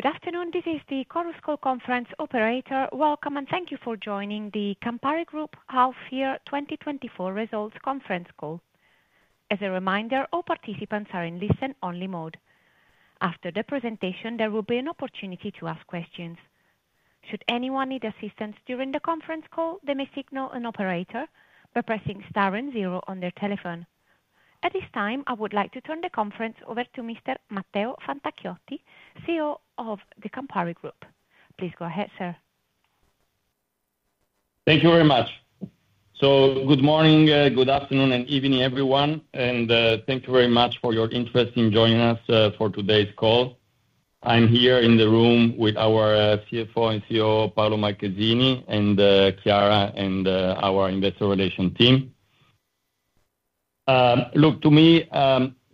Good afternoon, this is the Chorus Call conference operator. Welcome and thank you for joining the Campari Group Half Year 2024 Results Conference Call. As a reminder, all participants are in listen-only mode. After the presentation, there will be an opportunity to ask questions. Should anyone need assistance during the conference call, they may signal an operator by pressing star and zero on their telephone. At this time, I would like to turn the conference over to Mr. Matteo Fantacchiotti, CEO of the Campari Group. Please go ahead, sir. Thank you very much. So good morning, good afternoon, and evening, everyone. And thank you very much for your interest in joining us for today's call. I'm here in the room with our CFO and COO, Paolo Marchesini, and Chiara, and our investor relations team. Look, to me,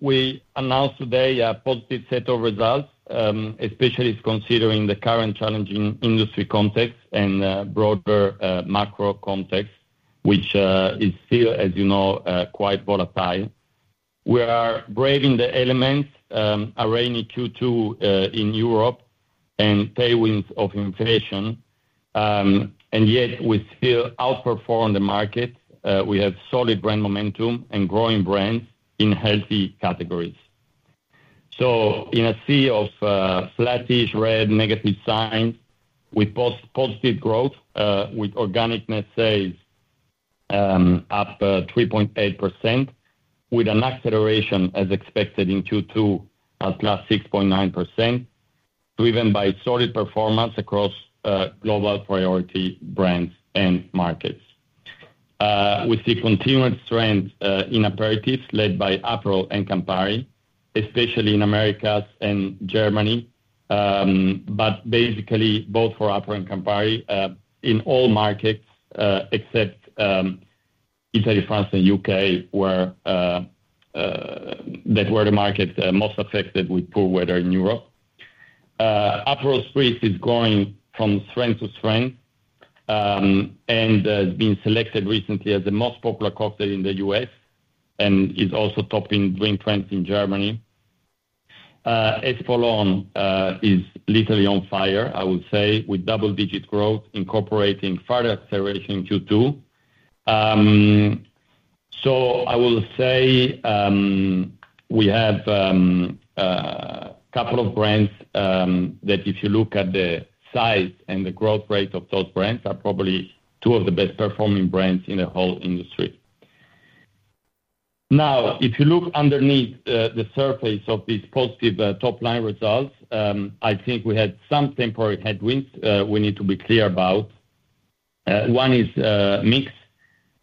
we announced today a positive set of results, especially considering the current challenging industry context and broader macro context, which is still, as you know, quite volatile. We are braving the elements, a rainy Q2 in Europe and tailwinds of inflation. And yet, we still outperform the market. We have solid brand momentum and growing brands in healthy categories. So in a sea of flattish red negative signs, we post positive growth with organic net sales up 3.8%, with an acceleration, as expected, in Q2 at +6.9%, driven by solid performance across global priority brands and markets. We see continued strength in Aperol, led by Aperol and Campari, especially in the Americas and Germany. But basically, both for Aperol and Campari, in all markets except Italy, France, and the UK, that were the markets most affected with poor weather in Europe. Aperol Spritz is growing from strength to strength, and it's been selected recently as the most popular cocktail in the US and is also topping drink trends in Germany. Espolòn is literally on fire, I would say, with double-digit growth, incorporating further acceleration in Q2. So I will say we have a couple of brands that, if you look at the size and the growth rate of those brands, are probably two of the best-performing brands in the whole industry. Now, if you look underneath the surface of these positive top-line results, I think we had some temporary headwinds we need to be clear about. One is mix,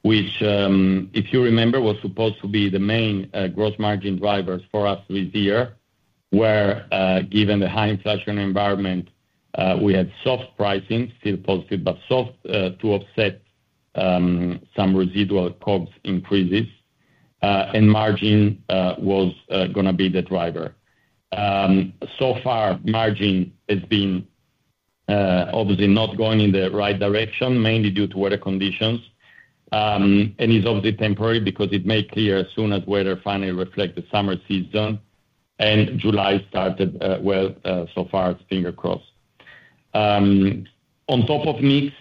which, if you remember, was supposed to be the main gross margin drivers for us this year, where, given the high inflation environment, we had soft pricing, still positive, but soft to offset some residual COGS increases. And margin was going to be the driver. So far, margin has been obviously not going in the right direction, mainly due to weather conditions. And it's obviously temporary because it may clear as soon as weather finally reflects the summer season. And July started, well, so far, fingers crossed. On top of mix,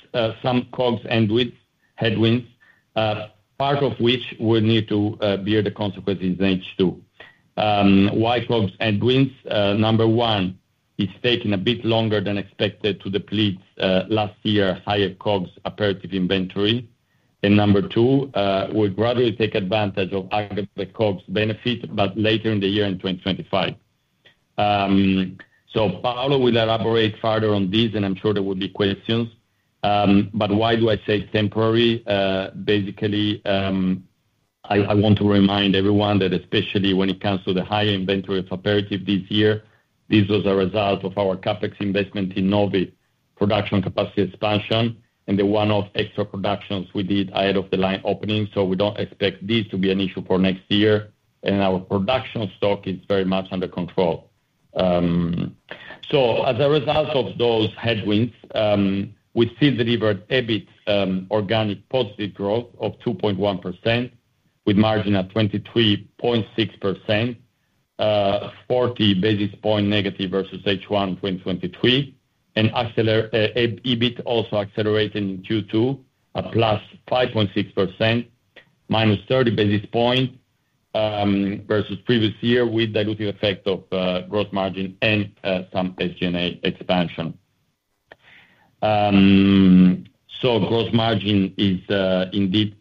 some COGS headwinds, part of which we need to bear the consequences in H2. Why COGS headwinds? Number one, it's taken a bit longer than expected to deplete last year's higher COGS inventory. And number two, we'll gradually take advantage of aggregate COGS benefits, but later in the year in 2025. So Paolo will elaborate further on this, and I'm sure there will be questions. But why do I say temporary? Basically, I want to remind everyone that, especially when it comes to the high inventory of Aperol this year, this was a result of our CapEx investment in Novi production capacity expansion and the one-off extra productions we did ahead of the line opening. So we don't expect this to be an issue for next year. And our production stock is very much under control. So as a result of those headwinds, we still delivered EBIT organic positive growth of +2.1% with margin at 23.6%, -40 basis points versus H1 2023. And EBIT also accelerated in Q2 at +5.6%, -30 basis points versus previous year with the effect of gross margin and some SG&A expansion. So gross margin is indeed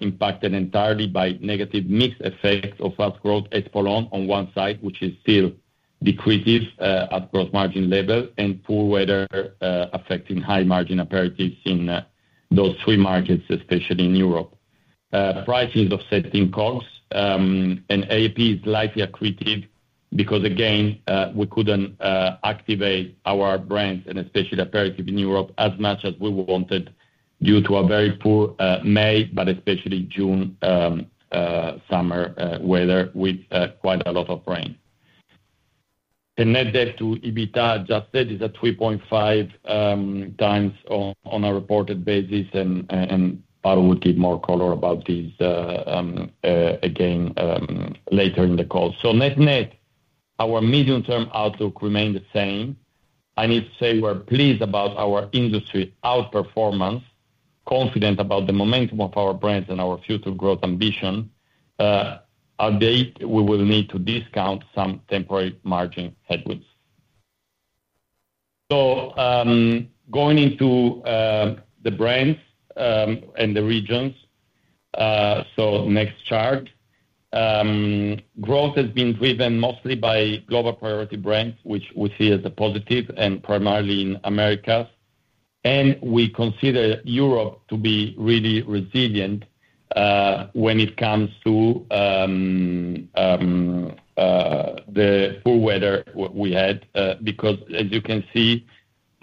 impacted entirely by negative mix effects of fast growth, Espolòn on one side, which is still decreasing at gross margin level, and poor weather affecting high margin Aperol in those three markets, especially in Europe. Pricing is offsetting COGS. And A&P is likely accretive because, again, we couldn't activate our brands, and especially Aperol in Europe, as much as we wanted due to a very poor May, but especially June summer weather with quite a lot of rain. The net debt to EBITDA adjusted is at 3.5 times on a reported basis. And Paolo will give more color about this again later in the call. So net net, our medium-term outlook remained the same. I need to say we're pleased about our industry outperformance, confident about the momentum of our brands and our future growth ambition. Update, we will need to discount some temporary margin headwinds. So going into the brands and the regions, so next chart. Growth has been driven mostly by global priority brands, which we see as a positive and primarily in Americas. And we consider Europe to be really resilient when it comes to the poor weather we had because, as you can see,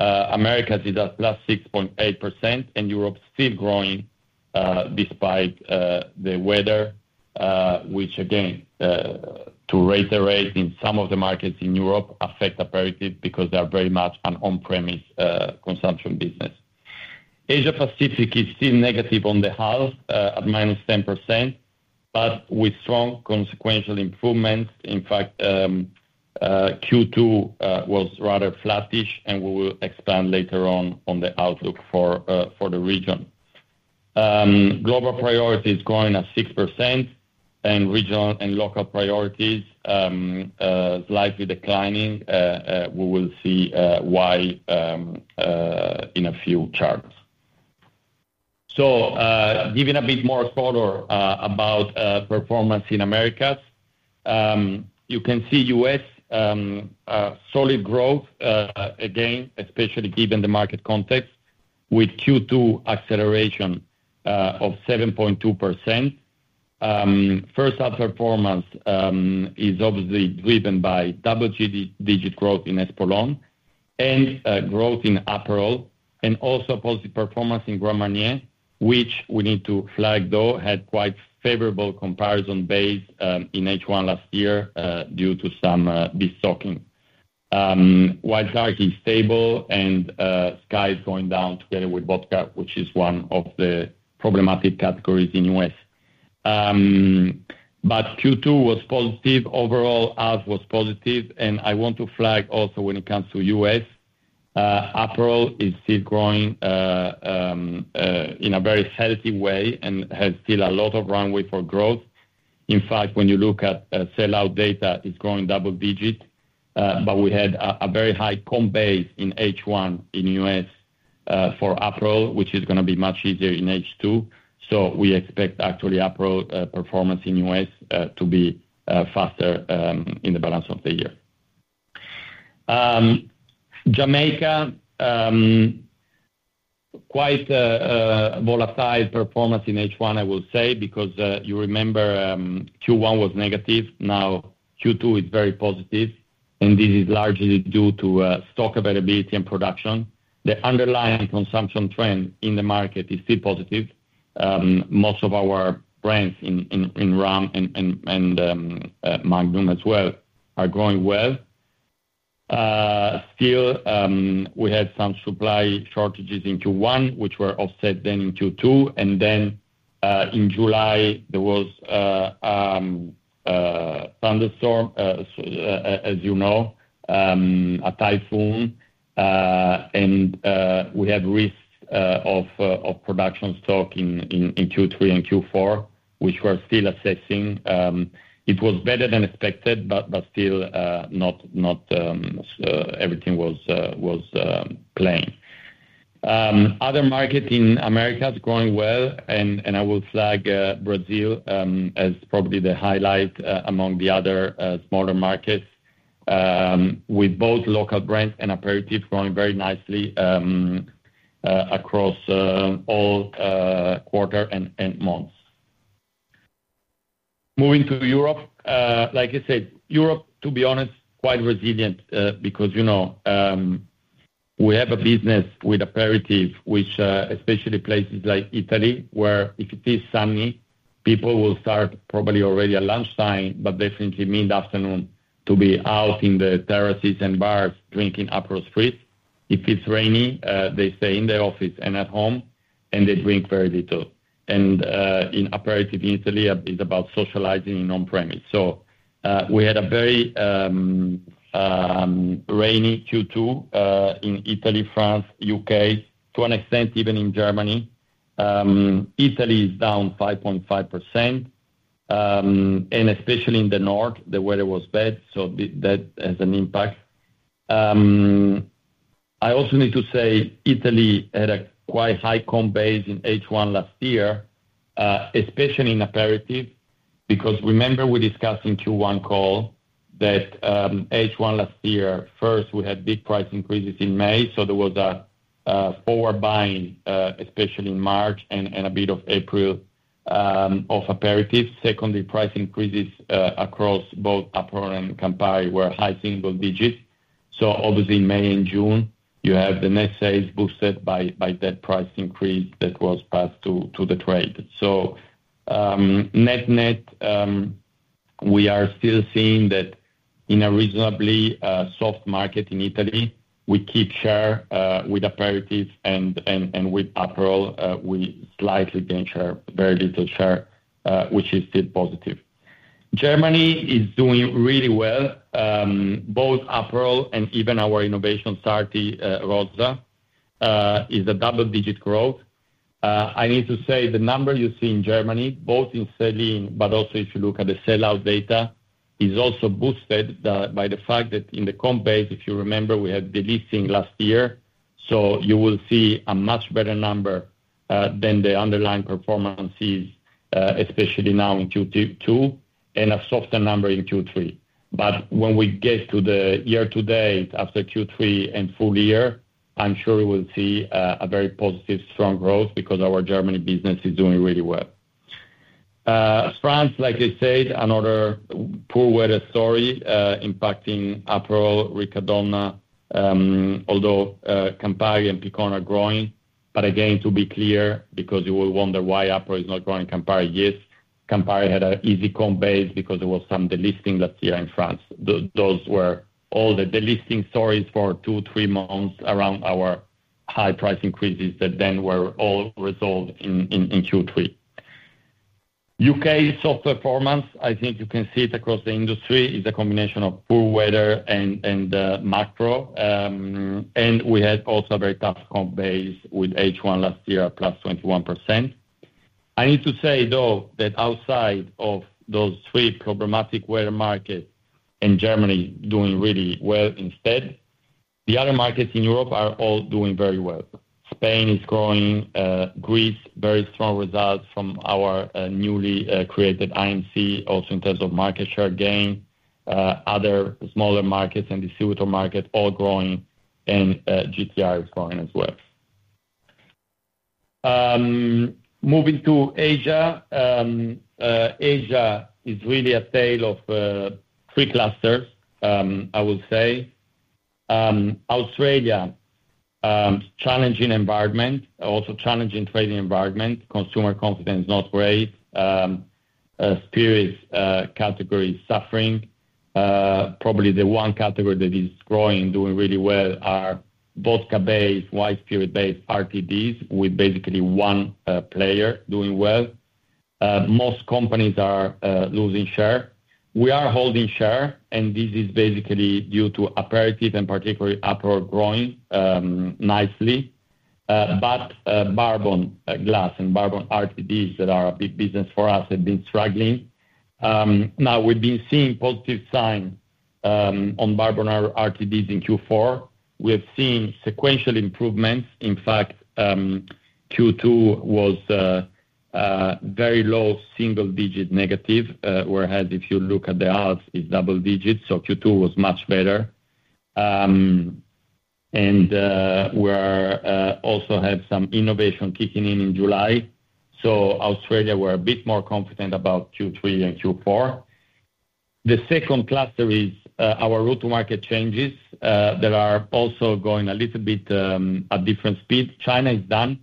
Americas is at +6.8%, and Europe's still growing despite the weather, which, again, to reiterate, in some of the markets in Europe, affects Aperol because they are very much an on-premise consumption business. Asia-Pacific is still negative on the whole at -10%, but with strong sequential improvements. In fact, Q2 was rather flattish, and we will expand later on the outlook for the region. Global priorities growing at 6%, and regional and local priorities slightly declining. We will see why in a few charts. So giving a bit more color about performance in Americas, you can see U.S. solid growth again, especially given the market context with Q2 acceleration of 7.2%. This outperformance is obviously driven by double-digit growth in Espolòn and growth in Aperol, and also positive performance in Grand Marnier, which we need to flag, though, had quite favorable comparison base in H1 last year due to some de-stocking. Wild Turkey is stable, and Skyy is going down together with vodka, which is one of the problematic categories in U.S. But Q2 was positive. Overall, Skyy was positive. And I want to flag also when it comes to U.S., Aperol is still growing in a very healthy way and has still a lot of runway for growth. In fact, when you look at sell-out data, it's growing double-digit. But we had a very high comp base in H1 in US for Aperol, which is going to be much easier in H2. So we expect actually Aperol performance in US to be faster in the balance of the year. Jamaica, quite volatile performance in H1, I will say, because you remember Q1 was negative. Now, Q2 is very positive. And this is largely due to stock availability and production. The underlying consumption trend in the market is still positive. Most of our brands in rum and Magnum as well are growing well. Still, we had some supply shortages in Q1, which were offset then in Q2. And then in July, there was thunderstorm, as you know, a typhoon. And we had risks of production stock in Q3 and Q4, which we're still assessing. It was better than expected, but still not everything was plain. Other markets in America are growing well. I will flag Brazil as probably the highlight among the other smaller markets, with both local brands and Aperol growing very nicely across all quarters and months. Moving to Europe, like I said, Europe, to be honest, quite resilient because we have a business with Aperol, which especially places like Italy, where if it is sunny, people will start probably already at lunchtime, but definitely mid-afternoon to be out in the terraces and bars drinking Aperol Spritz. If it's rainy, they stay in the office and at home, and they drink very little. In Aperol, Italy is about socializing on-premise. We had a very rainy Q2 in Italy, France, UK, to an extent even in Germany. Italy is down 5.5%. And especially in the north, the weather was bad. That has an impact. I also need to say Italy had a quite high comp base in H1 last year, especially in Aperol, because remember we discussed in Q1 call that H1 last year, first, we had big price increases in May. So there was a forward buying, especially in March and a bit of April of Aperol. Secondly, price increases across both Aperol and Campari were high single digits. So obviously, in May and June, you have the net sales boosted by that price increase that was passed to the trade. So net net, we are still seeing that in a reasonably soft market in Italy, we keep share with Aperol and with Aperol, we slightly gain share, very little share, which is still positive. Germany is doing really well. Both Aperol and even our innovation Sarti Rosa is a double-digit growth. I need to say the number you see in Germany, both in sell-in, but also if you look at the sell-out data, is also boosted by the fact that in the comp base, if you remember, we had the listing last year. So you will see a much better number than the underlying performance is, especially now in Q2, and a softer number in Q3. But when we get to the year-to-date after Q3 and full year, I'm sure we will see a very positive, strong growth because our Germany business is doing really well. France, like I said, another poor weather story impacting Aperol, Riccadonna, although Campari and Picon are growing. But again, to be clear, because you will wonder why Aperol is not growing, Campari yes. Campari had an easy comp base because there was some delisting last year in France. Those were all the delisting stories for 2-3 months around our high price increases that then were all resolved in Q3. UK soft performance, I think you can see it across the industry, is a combination of poor weather and macro. And we had also a very tough comp base with H1 last year, +21%. I need to say, though, that outside of those three problematic weather markets and Germany doing really well instead, the other markets in Europe are all doing very well. Spain is growing, Greece, very strong results from our newly created IMC, also in terms of market share gain. Other smaller markets and distributor markets all growing, and GTR is growing as well. Moving to Asia, Asia is really a tale of three clusters, I will say. Australia, challenging environment, also challenging trading environment. Consumer confidence not great. Spirits category suffering. Probably the one category that is growing and doing really well are vodka-based, white spirit-based RTDs with basically one player doing well. Most companies are losing share. We are holding share, and this is basically due to Aperol and particularly Aperol growing nicely. bourbon glass and bourbon RTDs that are a big business for us have been struggling. We've been seeing positive signs on bourbon RTDs in Q4. We have seen sequential improvements. Q2 was very low single-digit negative, whereas if you look at the RTD category, it's double-digits. Q2 was much better. We also have some innovation kicking in in July. Australia, we're a bit more confident about Q3 and Q4. The second cluster is our route to market changes that are also going a little bit at different speeds. China is done.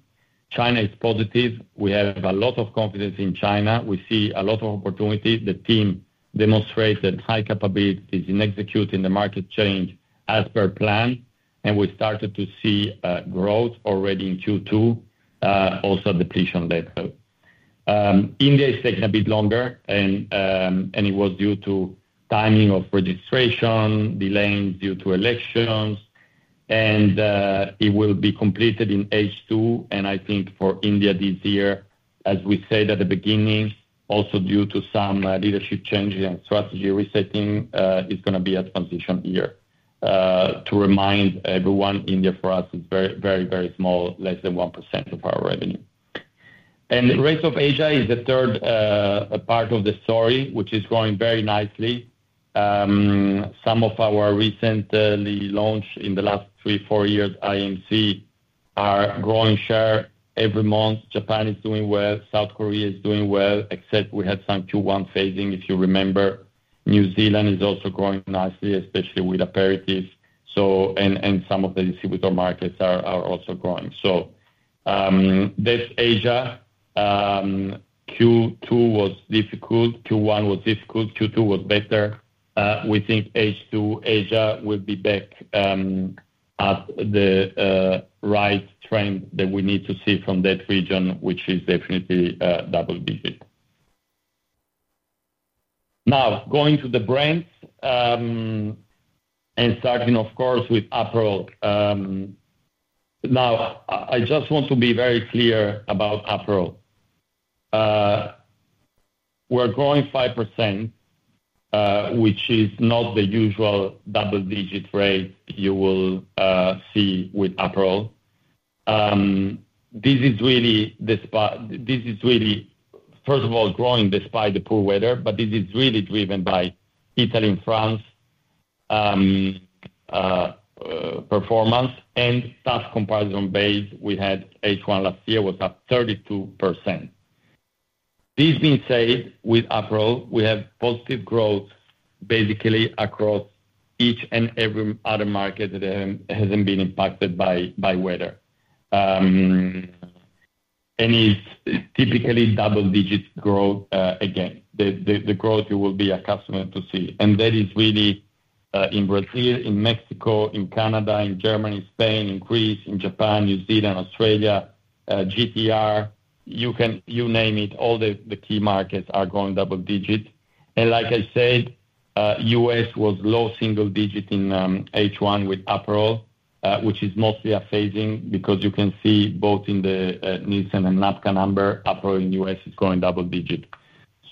China is positive. We have a lot of confidence in China. We see a lot of opportunity. The team demonstrated high capabilities in executing the market change as per plan. We started to see growth already in Q2, also at the depletion level. India is taking a bit longer, and it was due to timing of registration, delays due to elections. It will be completed in H2. I think for India this year, as we said at the beginning, also due to some leadership changes and strategy resetting, it's going to be a transition year to remind everyone. India for us is very, very, very small, less than 1% of our revenue. The rest of Asia is the third part of the story, which is growing very nicely. Some of our recently launched in the last three, four years, IMC are growing share every month. Japan is doing well. South Korea is doing well, except we have some Q1 phasing, if you remember. New Zealand is also growing nicely, especially with Aperol. Some of the distributor markets are also growing. So that's Asia. Q2 was difficult. Q1 was difficult. Q2 was better. We think H2 Asia will be back at the right trend that we need to see from that region, which is definitely double-digit. Now, going to the brands and starting, of course, with Aperol. Now, I just want to be very clear about Aperol. We're growing 5%, which is not the usual double-digit rate you will see with Aperol. This is really, first of all, growing despite the poor weather, but this is really driven by Italy and France performance. And tough comparison base we had H1 last year was at 32%. This being said, with Aperol, we have positive growth basically across each and every other market that hasn't been impacted by weather. It's typically double-digit growth again. The growth you will be accustomed to see. And that is really in Brazil, in Mexico, in Canada, in Germany, Spain, in Greece, in Japan, New Zealand, Australia, GTR, you name it, all the key markets are going double-digit. And like I said, US was low single digit in H1 with Aperol, which is mostly a phasing because you can see both in the Nielsen and NABCA number, Aperol in US is growing double-digit.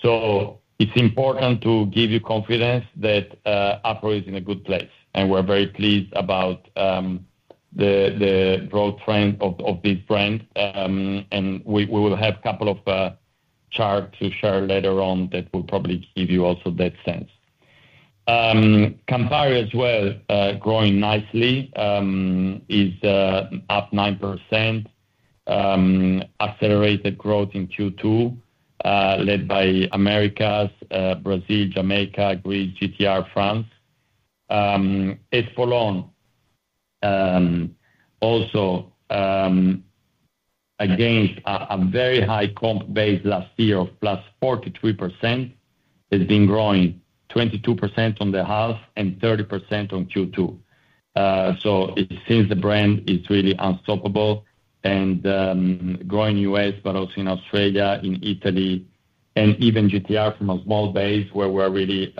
So it's important to give you confidence that Aperol is in a good place. And we're very pleased about the growth trend of this brand. And we will have a couple of charts to share later on that will probably give you also that sense. Campari as well, growing nicely, is up 9%. Accelerated growth in Q2, led by Americas, Brazil, Jamaica, Greece, GTR, France. Espolòn also against a very high comp base last year of +43%, has been growing 22% on the half and 30% on Q2. So it seems the brand is really unstoppable and growing in US, but also in Australia, in Italy, and even GTR from a small base where we're really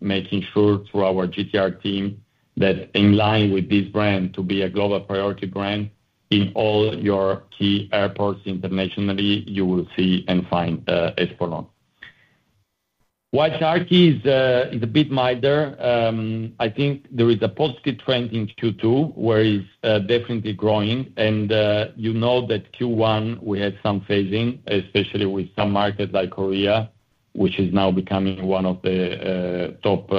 making sure through our GTR team that in line with this brand to be a global priority brand in all your key airports internationally, you will see and find Espolòn. Wild Turkey is a bit milder? I think there is a positive trend in Q2, where it's definitely growing. And you know that Q1, we had some phasing, especially with some markets like Korea, which is now becoming one of the top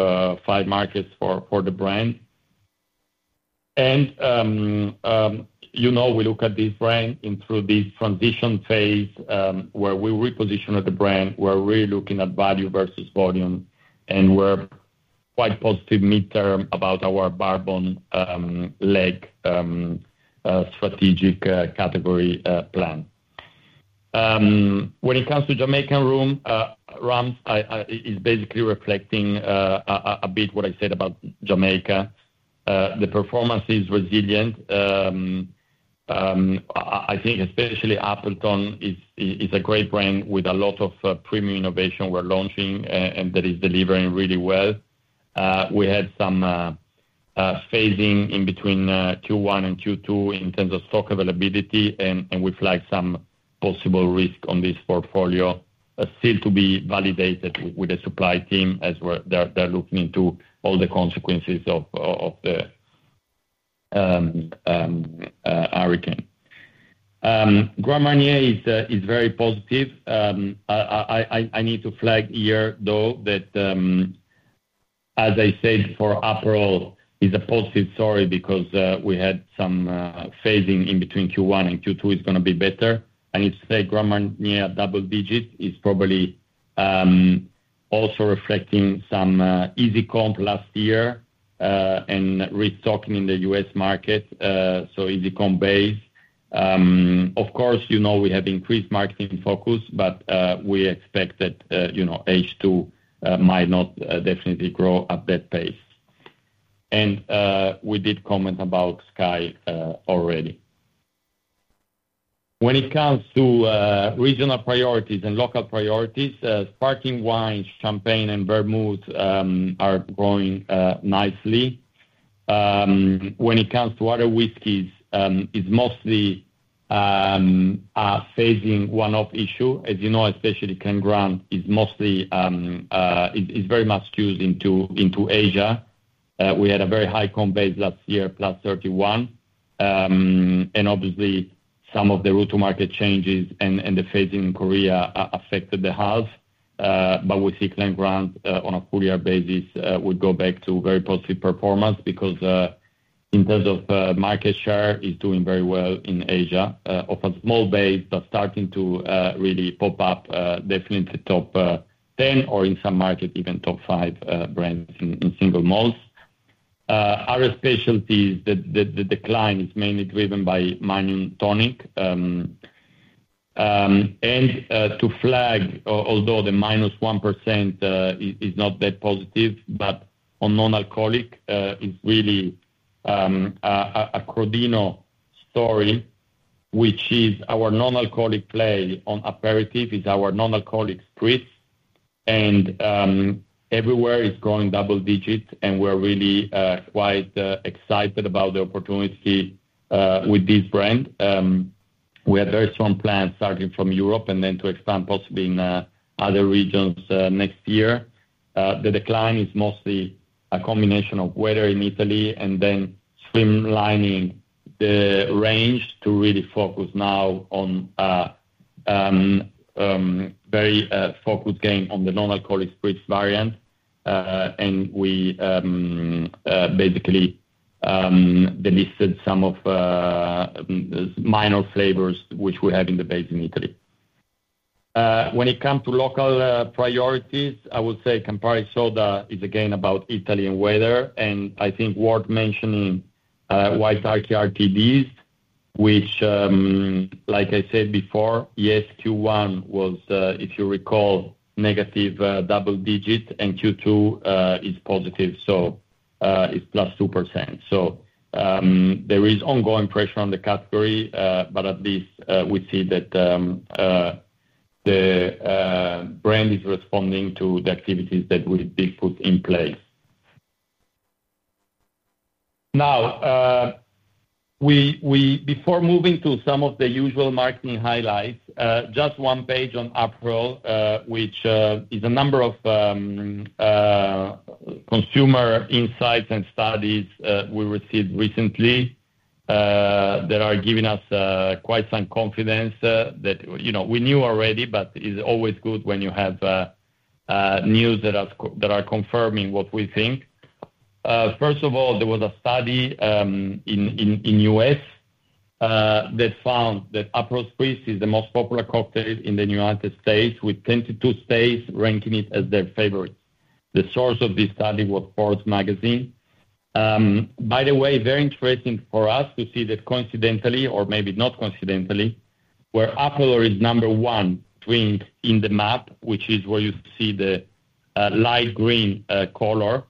five markets for the brand. We look at this brand through this transition phase where we repositioned the brand, where we're really looking at value versus volume, and we're quite positive midterm about our bourbon leg strategic category plan. When it comes to Jamaican rums, it's basically reflecting a bit what I said about Jamaica. The performance is resilient. I think especially Appleton is a great brand with a lot of premium innovation we're launching and that is delivering really well. We had some phasing in between Q1 and Q2 in terms of stock availability, and we flagged some possible risk on this portfolio. Still to be validated with the supply team as they're looking into all the consequences of the hurricane. Grand Marnier is very positive. I need to flag here, though, that, as I said, for Aperol, it's a positive story because we had some phasing in between Q1 and Q2 is going to be better. I need to say Grand Marnier double-digit is probably also reflecting some easy comp last year and restocking in the U.S. market, so easy comp base. Of course, we have increased marketing focus, but we expect that H2 might not definitely grow at that pace. And we did comment about Sky already. When it comes to regional priorities and local priorities, sparkling wines, Champagne, and vermouth are growing nicely. When it comes to other whiskies, it's mostly a phasing one-off issue. As you know, especially Glen Grant is very much skewed into Asia. We had a very high comp base last year, +31. And obviously, some of the route to market changes and the phasing in Korea affected the half. But we see Glen Grant on a full-year basis would go back to very positive performance because in terms of market share, it's doing very well in Asia. Of a small base, but starting to really pop up, definitely top 10 or in some market, even top 5 brands in single malts. Other specialties, the decline is mainly driven by Magnum. And to flag, although the -1% is not that positive, but on non-alcoholic, it's really a Crodino story, which is our non-alcoholic play on aperitif is our non-alcoholic spritz. And everywhere is growing double-digit, and we're really quite excited about the opportunity with this brand. We had very strong plans starting from Europe and then to expand possibly in other regions next year. The decline is mostly a combination of weather in Italy and then streamlining the range to really focus now on very focused game on the non-alcoholic spritz variant. We basically delisted some of the minor flavors which we have in the base in Italy. When it comes to local priorities, I would say CA&Pari Soda is again about Italian weather. I think worth mentioning Wild Turkey RTDs, which, like I said before, yes, Q1 was, if you recall, negative double-digit, and Q2 is positive, so it's +2%. There is ongoing pressure on the category, but at least we see that the brand is responding to the activities that we put in place. Now, before moving to some of the usual marketing highlights, just one page on Aperol, which is a number of consumer insights and studies we received recently that are giving us quite some confidence that we knew already, but it's always good when you have news that are confirming what we think. First of all, there was a study in U.S. that found that Aperol Spritz is the most popular cocktail in the United States, with 22 states ranking it as their favorite. The source of this study was Forbes magazine. By the way, very interesting for us to see that coincidentally, or maybe not coincidentally, where Aperol is number one swing in the map, which is where you see the light green color,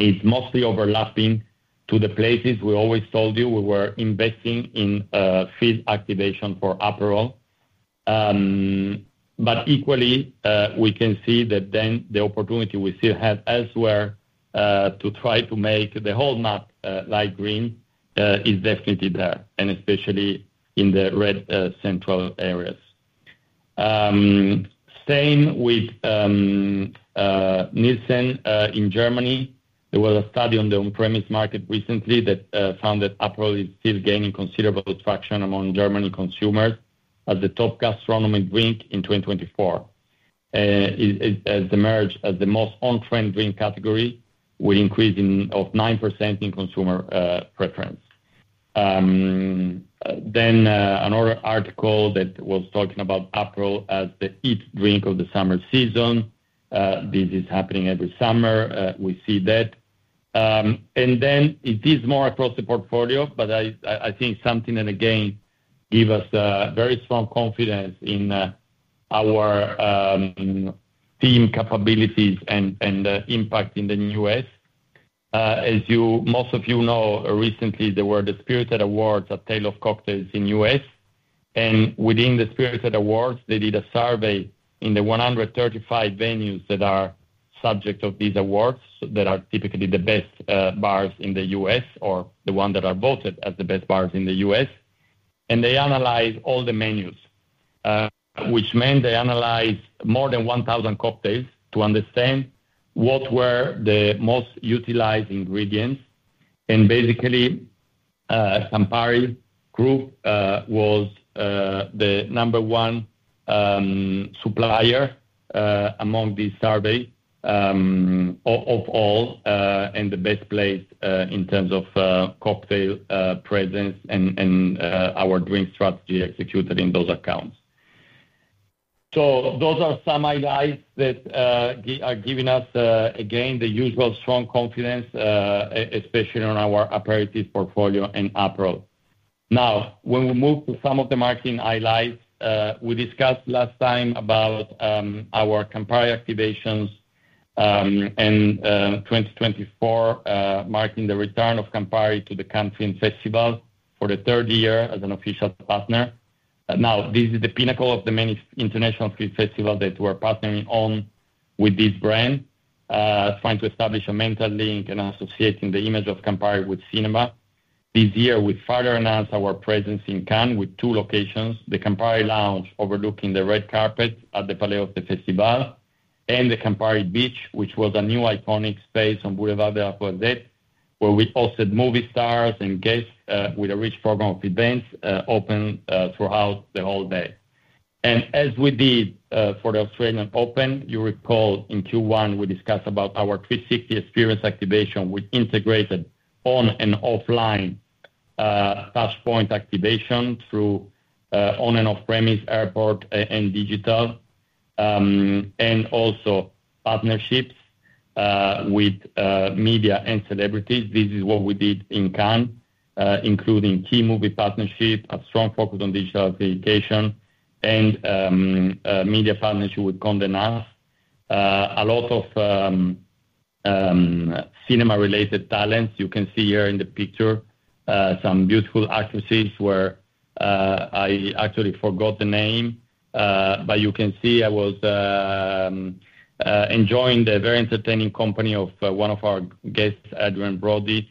it's mostly overlapping to the places we always told you we were investing in field activation for Aperol. But equally, we can see that then the opportunity we still have elsewhere to try to make the whole map light green is definitely there, and especially in the red central areas. Same with Nielsen in Germany. There was a study on the on-premise market recently that found that Aperol is still gaining considerable traction among German consumers as the top gastronomic drink in 2024. It has emerged as the most on-trend drink category with increase of 9% in consumer preference. Then another article that was talking about Aperol as the hit drink of the summer season. This is happening every summer. We see that. And then it is more across the portfolio, but I think something that again gives us very strong confidence in our team capabilities and impact in the U.S. As most of you know, recently, there were the Spirited Awards at Tales of the Cocktail in U.S. Within the Spirited Awards, they did a survey in the 135 venues that are subject of these awards that are typically the best bars in the U.S. or the ones that are voted as the best bars in the U.S. They analyzed all the menus, which meant they analyzed more than 1,000 cocktails to understand what were the most utilized ingredients. Basically, Campari Group was the number one supplier among the survey of all and the best place in terms of cocktail presence and our drink strategy executed in those accounts. Those are some highlights that are giving us, again, the usual strong confidence, especially on our aperitif portfolio and Aperol. Now, when we move to some of the marketing highlights, we discussed last time about our Campari activations and 2024 marking the return of Campari to the Cannes Film Festival for the third year as an official partner. Now, this is the pinnacle of the many international film festivals that we're partnering on with this brand, trying to establish a mental link and associating the image of Campari with cinema. This year, we further enhanced our presence in Cannes with two locations: the Campari Lounge overlooking the red carpet at the Palais des Festivals, and the Campari Beach, which was a new iconic space on Boulevard de la Croisette, where we hosted movie stars and guests with a rich program of events open throughout the whole day. As we did for the Australian Open, you recall in Q1, we discussed about our 360 experience activation with integrated on and offline touchpoint activation through on and off-premise airport and digital, and also partnerships with media and celebrities. This is what we did in Cannes, including key movie partnerships, a strong focus on digital authentication, and media partnership with Condé Nast. A lot of cinema-related talents you can see here in the picture, some beautiful actresses where I actually forgot the name, but you can see I was enjoying the very entertaining company of one of our guests, Adrien Brody,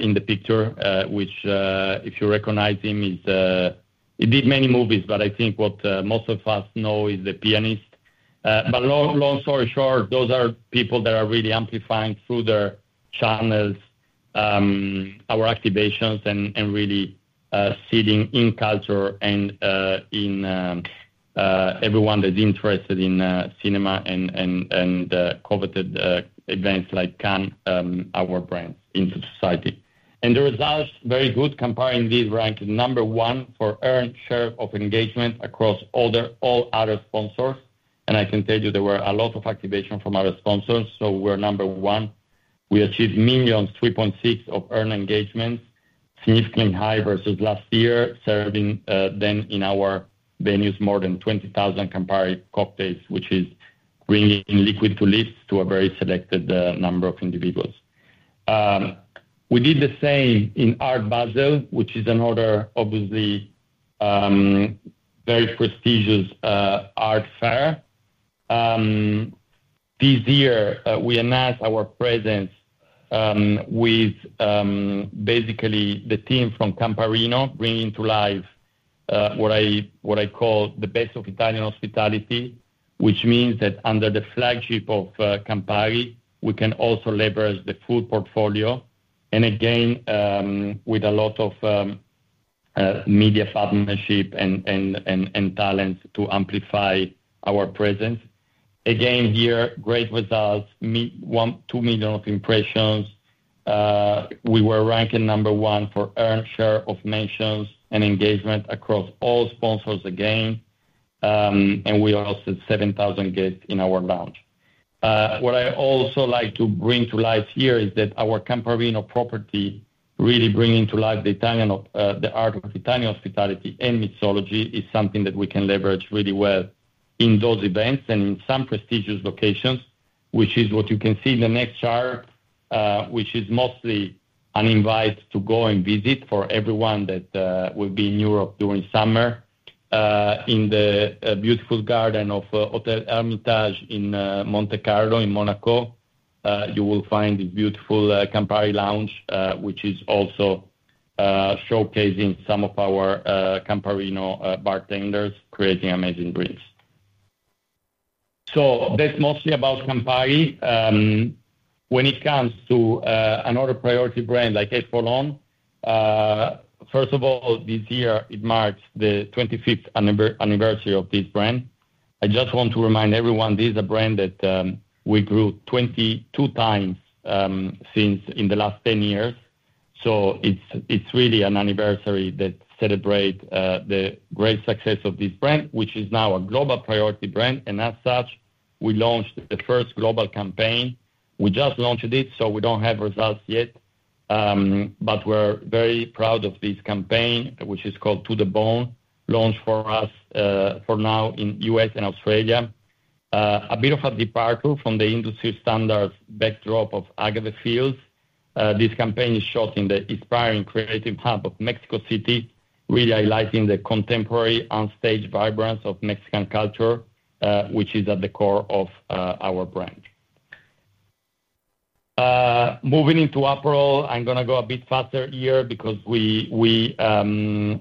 in the picture, which, if you recognize him, he did many movies, but I think what most of us know is the pianist. But long story short, those are people that are really amplifying through their channels our activations and really seeding in culture and in everyone that's interested in cinema and coveted events like Cannes, our brands in society. The results are very good. Campari indeed ranked number one for earned share of engagement across all other sponsors. I can tell you there were a lot of activations from other sponsors, so we're number one. We achieved 3.6 million earned engagements, significantly high versus last year, serving then in our venues more than 20,000 Campari cocktails, which is bringing liquid to lips to a very selected number of individuals. We did the same in Art Basel, which is another, obviously, very prestigious art fair. This year, we enhanced our presence with basically the team from CA&Parino, bringing to life what I call the best of Italian hospitality, which means that under the flagship of CA&Pari, we can also leverage the food portfolio. And again, with a lot of media partnership and talents to amplify our presence. Again, here, great results, 2 million impressions. We were ranked number one for earned share of mentions and engagement across all sponsors again, and we hosted 7,000 guests in our lounge. What I also like to bring to life here is that our CA&Parino property really bringing to life the art of Italian hospitality and mixology is something that we can leverage really well in those events and in some prestigious locations, which is what you can see in the next chart, which is mostly an invite to go and visit for everyone that will be in Europe during summer. In the beautiful garden of Hotel Hermitage in Monte Carlo in Monaco, you will find this beautiful Campari lounge, which is also showcasing some of our CA&Parino bartenders creating amazing drinks. So that's mostly about Campari. When it comes to another priority brand like Espolòn, first of all, this year, it marks the 25th anniversary of this brand. I just want to remind everyone this is a brand that we grew 22 times in the last 10 years. So it's really an anniversary that celebrates the great success of this brand, which is now a global priority brand. As such, we launched the first global campaign. We just launched it, so we don't have results yet, but we're very proud of this campaign, which is called To the Bone, launched for us for now in U.S. and Australia. A bit of a departure from the industry standard backdrop of Agave Fields. This campaign is shot in the inspiring creative hub of Mexico City, realizing the contemporary unstaged vibrancy of Mexican culture, which is at the core of our brand. Moving into Aperol, I'm going to go a bit faster here because we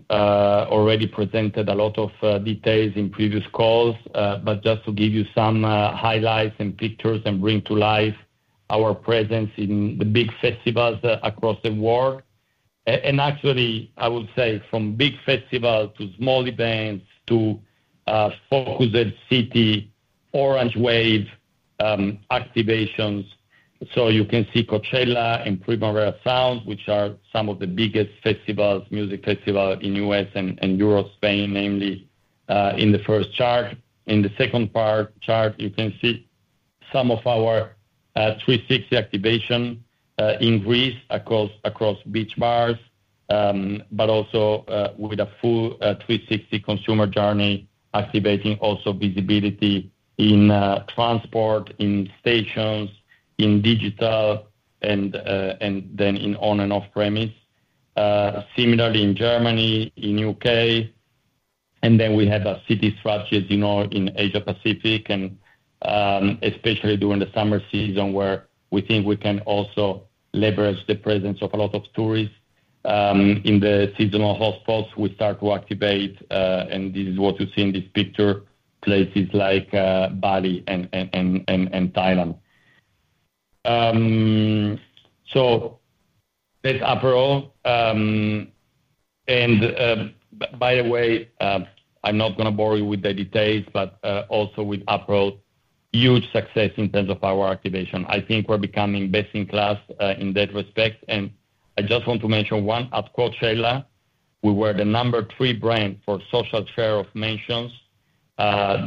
already presented a lot of details in previous calls, but just to give you some highlights and pictures and bring to life our presence in the big festivals across the world. Actually, I would say from big festivals to small events to focused city Orange Wave activations. So you can see Coachella and Primavera Sound, which are some of the biggest festivals, music festivals in the U.S. and Europe, Spain, namely in the first chart. In the second chart, you can see some of our 360 activation in Greece across beach bars, but also with a full 360 consumer journey, activating also visibility in transport, in stations, in digital, and then in on and off-premise. Similarly, in Germany, in the U.K. And then we have a city strategy in Asia-Pacific, and especially during the summer season, where we think we can also leverage the presence of a lot of tourists in the seasonal hotspots. We start to activate, and this is what you see in this picture, places like Bali and Thailand. So that's Aperol. And by the way, I'm not going to bore you with the details, but also with Aperol, huge success in terms of our activation. I think we're becoming best in class in that respect. And I just want to mention one at Coachella. We were the number 3 brand for social share of mentions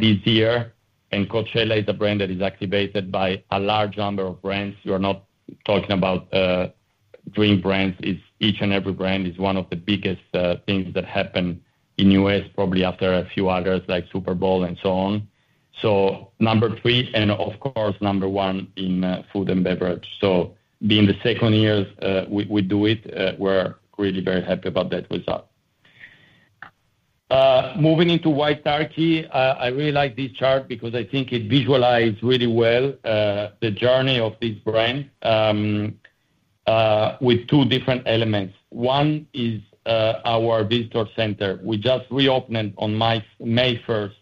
this year. And Coachella is a brand that is activated by a large number of brands. You are not talking about drink brands. Each and every brand is one of the biggest things that happen in the U.S., probably after a few others like Super Bowl and so on. So number 3, and of course, number 1 in food and beverage. So being the second year we do it, we're really very happy about that result. Moving into Wild Turkey, I really like this chart because I think it visualizes really well the journey of this brand with two different elements. One is our visitor center. We just reopened on May 1st,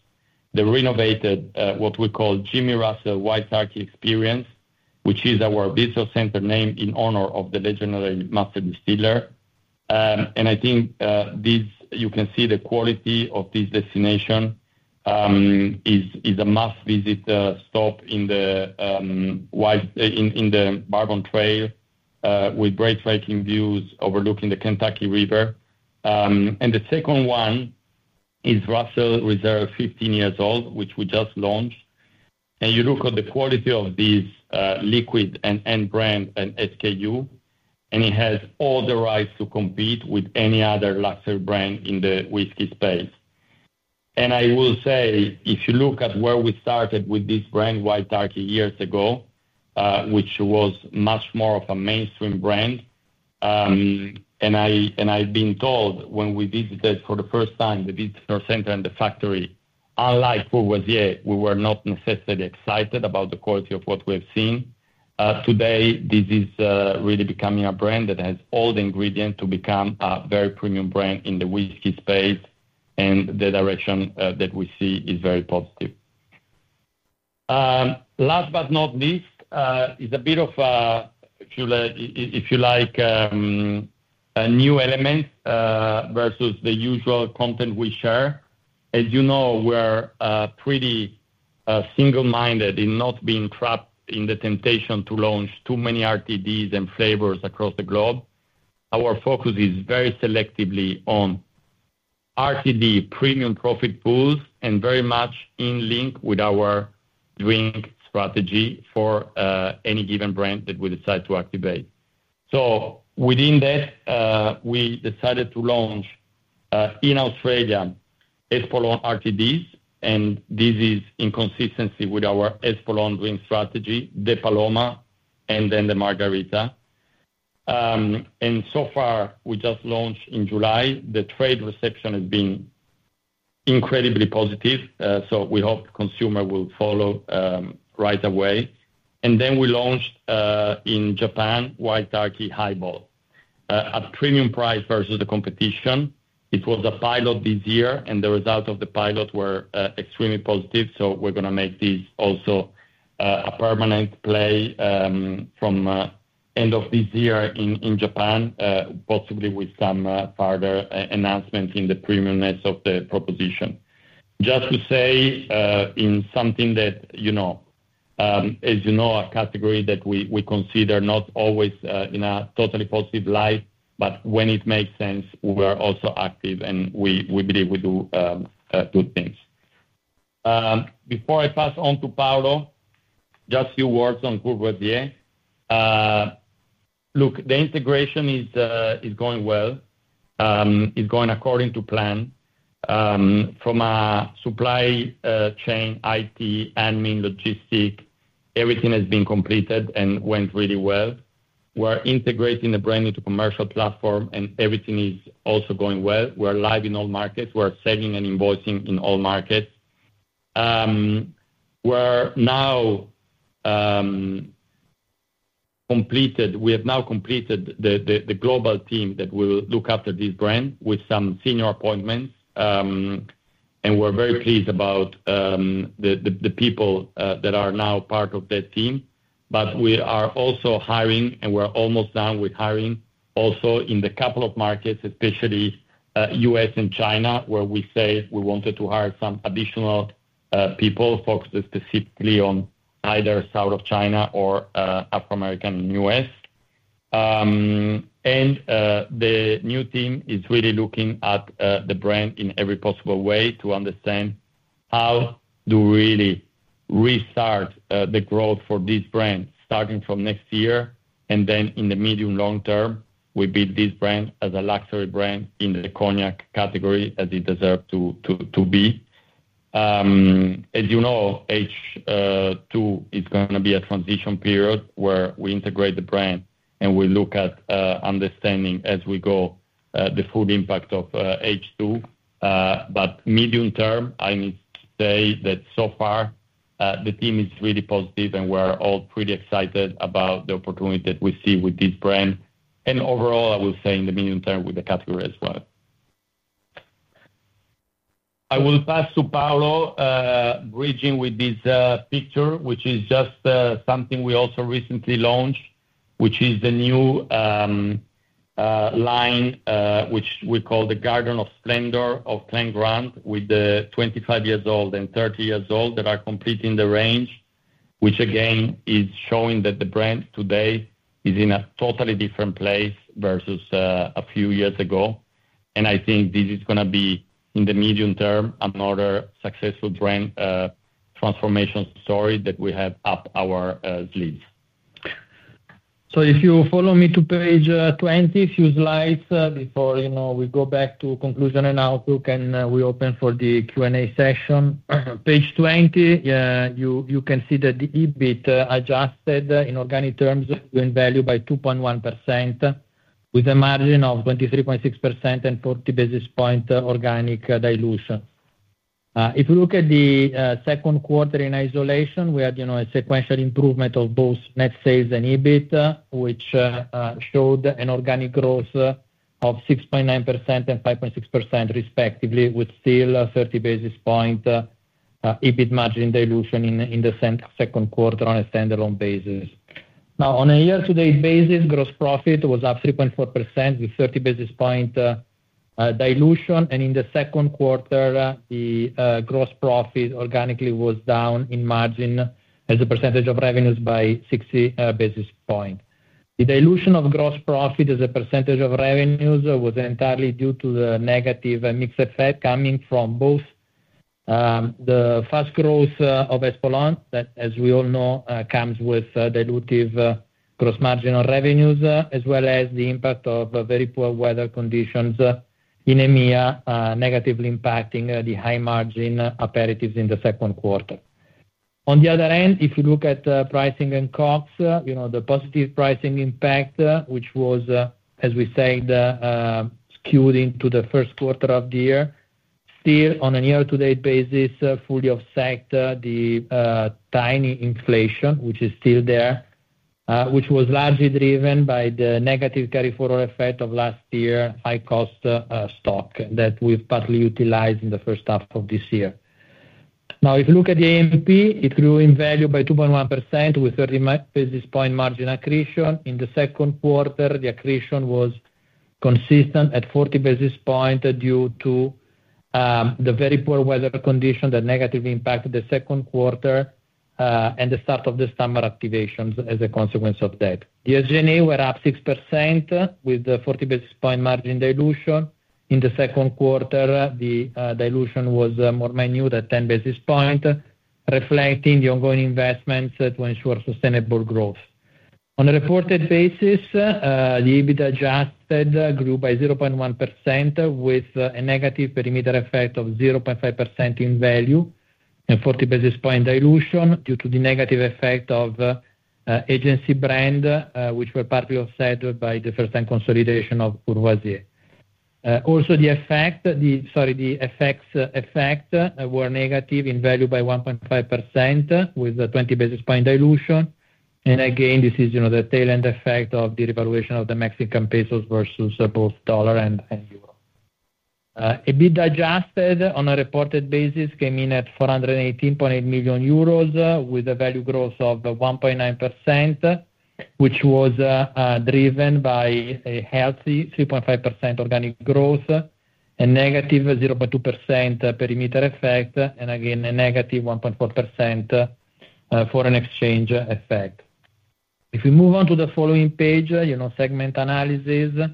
the renovated, what we call Jimmy Russell Wild Turkey Experience, which is our visitor center name in honor of the legendary master distiller. I think you can see the quality of this destination is a must-visit stop in the Bourbon Trail with breathtaking views overlooking the Kentucky River. The second one is Russell’s Reserve, 15 years old, which we just launched. You look at the quality of this liquid and brand and SKU, and it has all the rights to compete with any other luxury brand in the whiskey space. I will say, if you look at where we started with this brand, Wild Turkey, years ago, which was much more of a mainstream brand. I've been told when we visited for the first time the visitor center and the factory, unlike Courvoisier, we were not necessarily excited about the quality of what we have seen. Today, this is really becoming a brand that has all the ingredients to become a very premium brand in the whiskey space. The direction that we see is very positive. Last but not least, it's a bit of, if you like, a new element versus the usual content we share. As you know, we're pretty single-minded in not being trapped in the temptation to launch too many RTDs and flavors across the globe. Our focus is very selectively on RTD premium profit pools and very much in link with our drink strategy for any given brand that we decide to activate. So within that, we decided to launch in Australia Espolòn RTDs, and this is in consistency with our Espolòn drink strategy, the Paloma, and then the Margarita. And so far, we just launched in July. The trade reception has been incredibly positive, so we hope consumers will follow right away. And then we launched in Japan, Wild Turkey Highball, a premium price versus the competition. It was a pilot this year, and the results of the pilot were extremely positive. So we're going to make this also a permanent play from the end of this year in Japan, possibly with some further announcements in the premiumness of the proposition. Just to say something that, as you know, a category that we consider not always in a totally positive light, but when it makes sense, we are also active, and we believe we do good things. Before I pass on to Paolo, just a few words on Courvoisier. Look, the integration is going well. It's going according to plan. From a supply chain, IT, admin, logistics, everything has been completed and went really well. We're integrating the brand into commercial platform, and everything is also going well. We're live in all markets. We're selling and invoicing in all markets. We're now completed. We have now completed the global team that will look after this brand with some senior appointments. And we're very pleased about the people that are now part of that team. But we are also hiring, and we're almost done with hiring also in the couple of markets, especially U.S. and China, where we say we wanted to hire some additional people focused specifically on either South of China or African-American in the U.S. And the new team is really looking at the brand in every possible way to understand how to really restart the growth for this brand starting from next year. And then in the medium-long term, we build this brand as a luxury brand in the cognac category as it deserves to be. As you know, H2 is going to be a transition period where we integrate the brand and we look at understanding as we go the full impact of H2. But medium term, I need to say that so far, the team is really positive, and we're all pretty excited about the opportunity that we see with this brand. And overall, I will say in the medium term with the category as well. I will pass to Paolo, bridging with this picture, which is just something we also recently launched, which is the new line which we call the Garden of Splendor of Glen Grant with the 25-year-old and 30-year-old that are completing the range, which again is showing that the brand today is in a totally different place versus a few years ago. And I think this is going to be, in the medium term, another successful brand transformation story that we have up our sleeves. So if you follow me to page 20, a few slides before we go back to conclusion and outlook, and we open for the Q&A session. Page 20, you can see that the EBIT adjusted in organic terms is growing value by 2.1% with a margin of 23.6% and 40 basis points organic dilution. If you look at the second quarter in isolation, we had a sequential improvement of both net sales and EBIT, which showed an organic growth of 6.9% and 5.6%, respectively, with still 30 basis points EBIT margin dilution in the second quarter on a standalone basis. Now, on a year-to-date basis, gross profit was up 3.4% with 30 basis points dilution. In the second quarter, the gross profit organically was down in margin as a percentage of revenues by 60 basis points. The dilution of gross profit as a percentage of revenues was entirely due to the negative mix effect coming from both the fast growth of Espolòn, that, as we all know, comes with dilutive gross marginal revenues, as well as the impact of very poor weather conditions in EMEA, negatively impacting the high margin aperitifs in the second quarter. On the other hand, if you look at pricing and COGS, the positive pricing impact, which was, as we said, skewed into the first quarter of the year, still on a year-to-date basis, fully offset the tiny inflation, which is still there, which was largely driven by the negative carry-forward effect of last year's high-cost stock that we've partly utilized in the first half of this year. Now, if you look at the A&P, it grew in value by 2.1% with 30 basis points margin accretion. In the second quarter, the accretion was consistent at 40 basis points due to the very poor weather conditions that negatively impacted the second quarter and the start of the summer activations as a consequence of that. The SG&A were up 6% with 40 basis points margin dilution. In the second quarter, the dilution was more minute at 10 basis points, reflecting the ongoing investments to ensure sustainable growth. On a reported basis, the EBIT adjusted grew by 0.1% with a negative perimeter effect of 0.5% in value and 40 basis points dilution due to the negative effect of agency brand, which were partly offset by the first-time consolidation of Courvoisier. Also, the effect were negative in value by 1.5% with 20 basis points dilution. And again, this is the tail-end effect of the revaluation of the Mexican pesos versus both the US dollar and the euro. EBIT adjusted on a reported basis came in at 418.8 million euros with a value growth of 1.9%, which was driven by a healthy 3.5% organic growth, a negative 0.2% perimeter effect, and again, a negative 1.4% foreign exchange effect. If we move on to the following page, segment analysis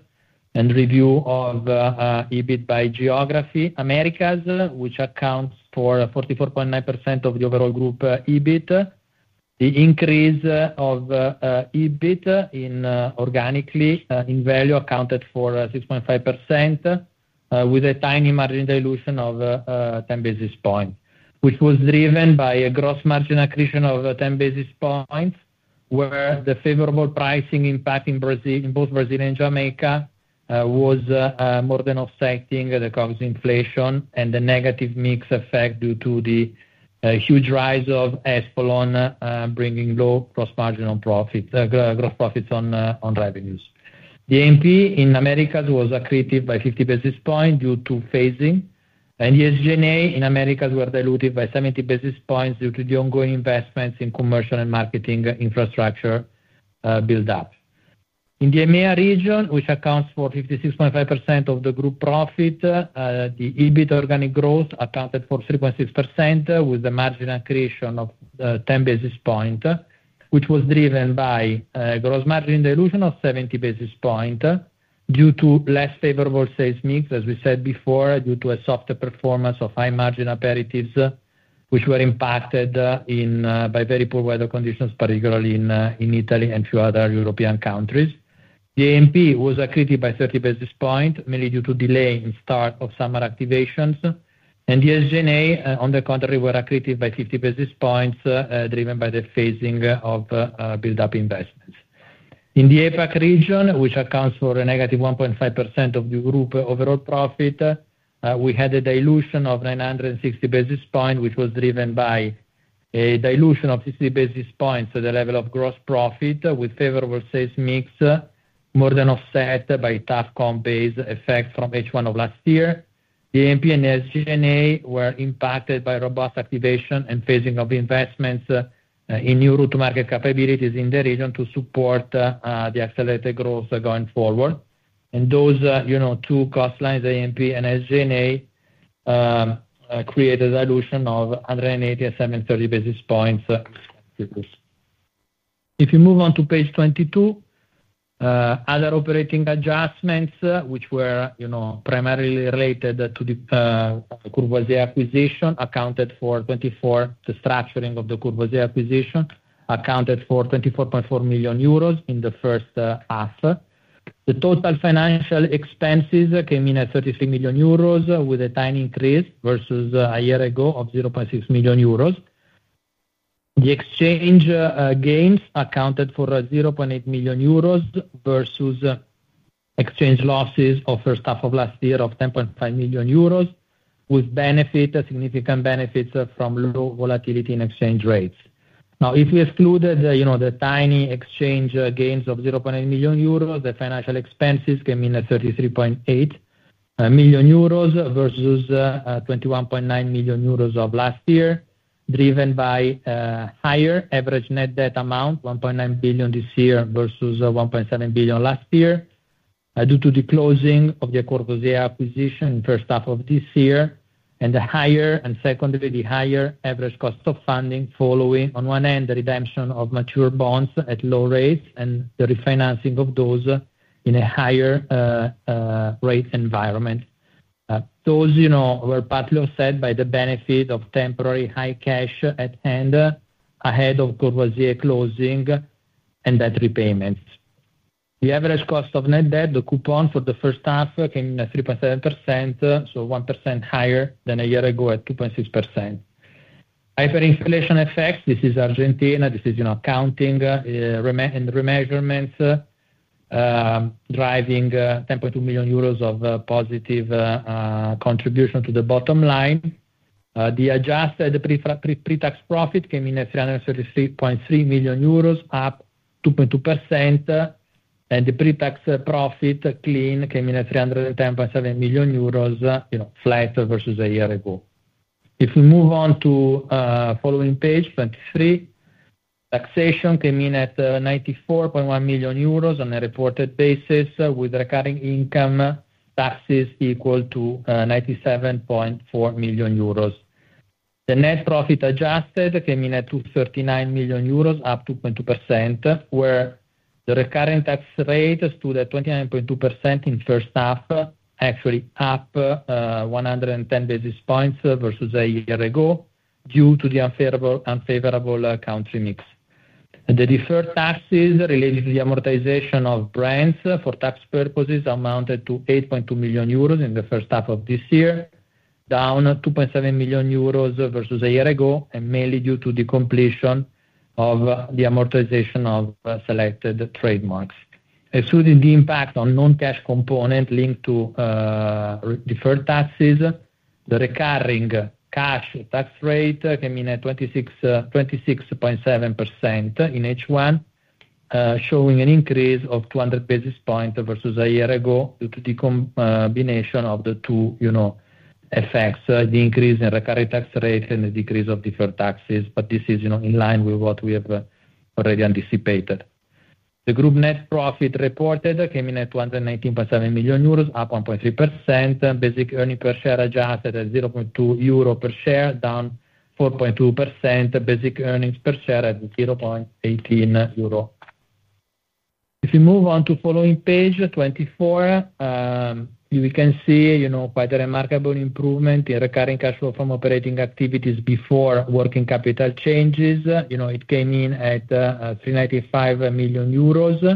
and review of EBIT by geography, Americas, which accounts for 44.9% of the overall group EBIT, the increase of EBIT organically in value accounted for 6.5% with a tiny margin dilution of 10 basis points, which was driven by a gross margin accretion of 10 basis points, where the favorable pricing impact in both Brazil and Jamaica was more than offsetting the COGS inflation and the negative mix effect due to the huge rise of Espolon bringing low gross margin on profits on revenues. The A&P in Americas was accretive by 50 basis points due to phasing. The SG&A in Americas were diluted by 70 basis points due to the ongoing investments in commercial and marketing infrastructure build-up. In the EMEA region, which accounts for 56.5% of the group profit, the EBIT organic growth accounted for 3.6% with a margin accretion of 10 basis points, which was driven by a gross margin dilution of 70 basis points due to less favorable sales mix, as we said before, due to a soft performance of high margin aperitifs, which were impacted by very poor weather conditions, particularly in Italy and a few other European countries. The A&P was accretive by 30 basis points, mainly due to delay in start of summer activations. The SG&A, on the contrary, were accretive by 50 basis points driven by the phasing of build-up investments. In the APAC region, which accounts for -1.5% of the group overall profit, we had a dilution of 960 basis points, which was driven by a dilution of 60 basis points at the level of gross profit with favorable sales mix more than offset by tough comp-based effect from H1 of last year. The A&P and the SG&A were impacted by robust activation and phasing of investments in new route-to-market capabilities in the region to support the accelerated growth going forward. And those two cost lines, the A&P and SG&A, created a dilution of 18,730 basis points. If you move on to page 22, other operating adjustments, which were primarily related to the Courvoisier acquisition, accounted for 24. The structuring of the Courvoisier acquisition accounted for 24.4 million euros in the first half. The total financial expenses came in at 33 million euros with a tiny increase versus a year ago of 0.6 million euros. The exchange gains accounted for 0.8 million euros versus exchange losses of first half of last year of 10.5 million euros, with significant benefits from low volatility in exchange rates. Now, if we exclude the tiny exchange gains of 0.8 million euros, the financial expenses came in at 33.8 million euros versus 21.9 million euros of last year, driven by a higher average net debt amount, 1.9 billion this year versus 1.7 billion last year, due to the closing of the Courvoisier acquisition in the first half of this year, and the higher and secondarily the higher average cost of funding following, on one end, the redemption of mature bonds at low rates and the refinancing of those in a higher rate environment. Those were partly offset by the benefit of temporary high cash at hand ahead of Courvoisier closing and debt repayments. The average cost of net debt, the coupon for the first half, came in at 3.7%, so 1% higher than a year ago at 2.6%. Hyperinflation effects, this is Argentina, this is accounting and remeasurements driving 10.2 million euros of positive contribution to the bottom line. The adjusted pre-tax profit came in at 333.3 million euros, up 2.2%, and the pre-tax profit clean came in at 310.7 million euros, flat versus a year ago. If we move on to the following page 23, taxation came in at 94.1 million euros on a reported basis with recurring income taxes equal to 97.4 million euros. The net profit adjusted came in at 239 million euros, up 2.2%, where the recurring tax rate stood at 29.2% in the first half, actually up 110 basis points versus a year ago due to the unfavorable country mix. The deferred taxes related to the amortization of brands for tax purposes amounted to 8.2 million euros in the first half of this year, down 2.7 million euros versus a year ago, and mainly due to the completion of the amortization of selected trademarks. Excluding the impact on non-cash component linked to deferred taxes, the recurring cash tax rate came in at 26.7% in H1, showing an increase of 200 basis points versus a year ago due to the combination of the two effects, the increase in recurring tax rate and the decrease of deferred taxes, but this is in line with what we have already anticipated. The group net profit reported came in at 219.7 million euro, up 1.3%, basic earnings per share adjusted at 0.2 euro per share, down 4.2%, basic earnings per share at 0.18 euro. If we move on to the following page, 24, we can see quite a remarkable improvement in recurring cash flow from operating activities before working capital changes. It came in at 395 million euros in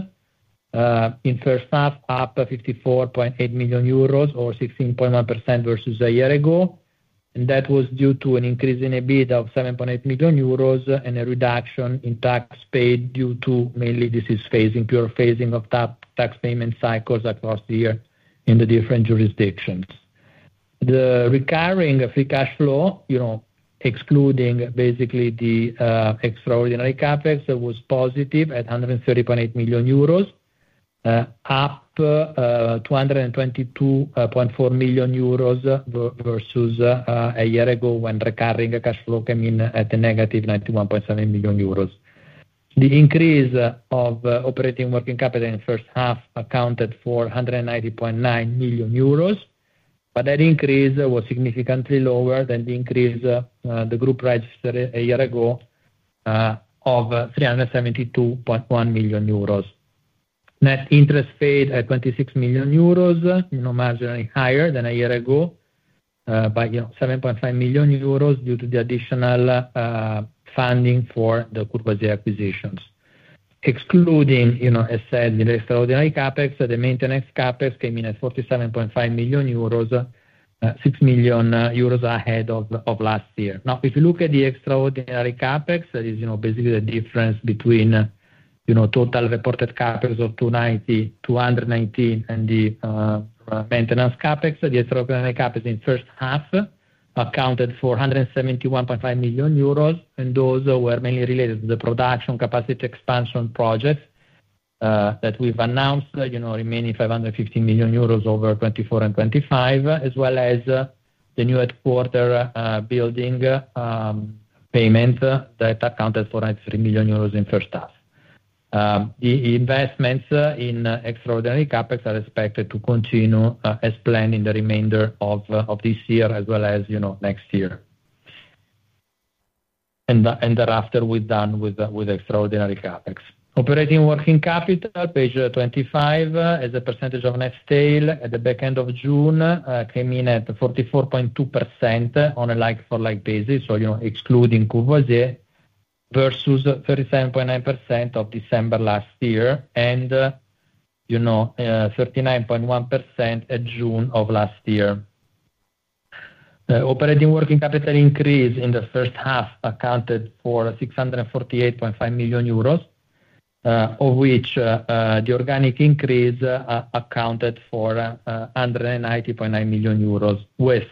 the first half, up 54.8 million euros or 16.1% versus a year ago. That was due to an increase in EBIT of 7.8 million euros and a reduction in tax paid due to, mainly, this is phasing, pure phasing of tax payment cycles across the year in the different jurisdictions. The recurring free cash flow, excluding basically the extraordinary CapEx, was positive at 130.8 million euros, up 222.4 million euros versus a year ago when recurring cash flow came in at a negative 91.7 million euros. The increase of operating working capital in the first half accounted for 190.9 million euros, but that increase was significantly lower than the increase the group registered a year ago of 372.1 million euros. Net interest paid at 26 million euros, marginally higher than a year ago, by 7.5 million euros due to the additional funding for the Courvoisier acquisitions. Excluding, as I said, the extraordinary CapEx, the maintenance CapEx came in at 47.5 million euros, 6 million euros ahead of last year. Now, if you look at the extraordinary CapEx, that is basically the difference between total reported CapEx of 219 million and the maintenance CapEx, the extraordinary CapEx in the first half accounted for 171.5 million euros, and those were mainly related to the production capacity expansion projects that we've announced, remaining 550 million euros over 2024 and 2025, as well as the new headquarters building payment that accounted for 93 million euros in the first half. The investments in extraordinary CapEx are expected to continue as planned in the remainder of this year as well as next year. And thereafter, we're done with extraordinary CapEx. Operating working capital, page 25, as a percentage of net sales at the back end of June came in at 44.2% on a like-for-like basis, so excluding Courvoisier, versus 37.9% of December last year and 39.1% at June of last year. Operating Working Capital increase in the first half accounted for 648.5 million euros, of which the organic increase accounted for 190.9 million euros, with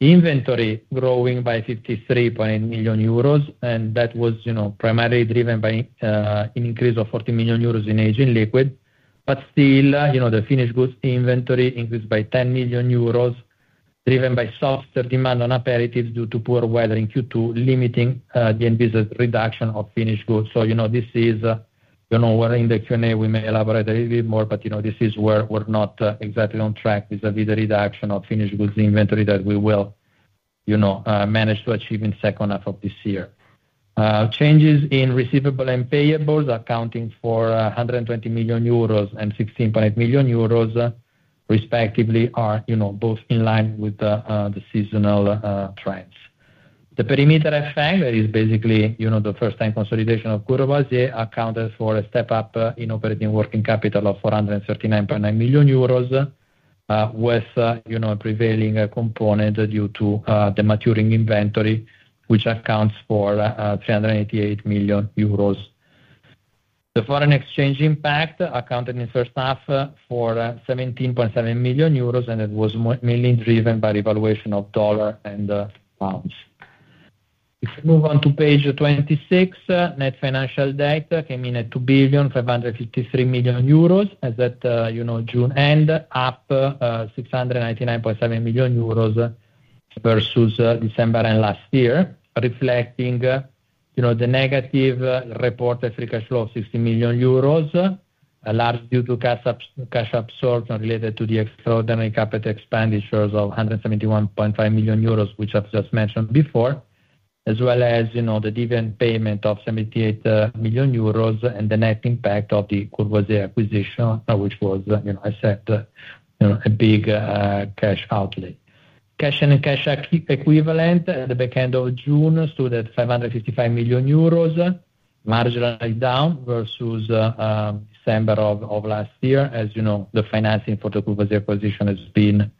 inventory growing by 53.8 million euros, and that was primarily driven by an increase of 40 million euros in aging liquid. But still, the finished goods inventory increased by 10 million euros, driven by softer demand on aperitifs due to poor weather in Q2, limiting the reduction of finished goods. So this is where in the Q&A we may elaborate a little bit more, but this is where we're not exactly on track with the reduction of finished goods inventory that we will manage to achieve in the second half of this year. Changes in receivables and payables accounting for 120 million euros and 16.8 million euros, respectively, are both in line with the seasonal trends. The perimeter effect, that is basically the first-time consolidation of Courvoisier, accounted for a step-up in operating working capital of 439.9 million euros, with a prevailing component due to the maturing inventory, which accounts for 388 million euros. The foreign exchange impact accounted in the first half for 17.7 million euros, and it was mainly driven by the evaluation of dollar and pounds. If we move on to page 26, net financial debt came in at 2,553 million euros at that June end, up 699.7 million euros versus December and last year, reflecting the negative reported free cash flow of 60 million euros, large due to cash absorption related to the extraordinary capital expenditures of 171.5 million euros, which I've just mentioned before, as well as the dividend payment of 78 million euros and the net impact of the Courvoisier acquisition, which was, as I said, a big cash outlay. Cash and cash equivalents at the back end of June stood at 555 million euros, marginally down versus December of last year, as the financing for the Courvoisier acquisition has been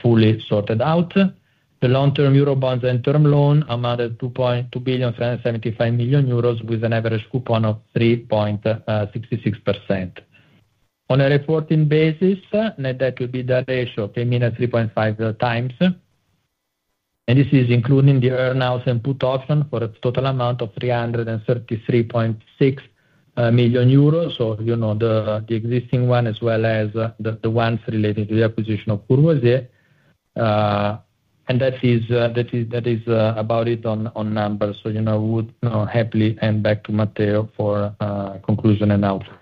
fully sorted out. The long-term euro bonds and term loan amounted to 2.2 billion, 375 million euros, with an average coupon of 3.66%. On a reporting basis, net debt to EBITDA ratio came in at 3.5 times, and this is including the earn-out and put option for a total amount of 333.6 million euros, so the existing one as well as the ones related to the acquisition of Courvoisier. That is about it on numbers, so I would happily hand back to Matteo for conclusion and output.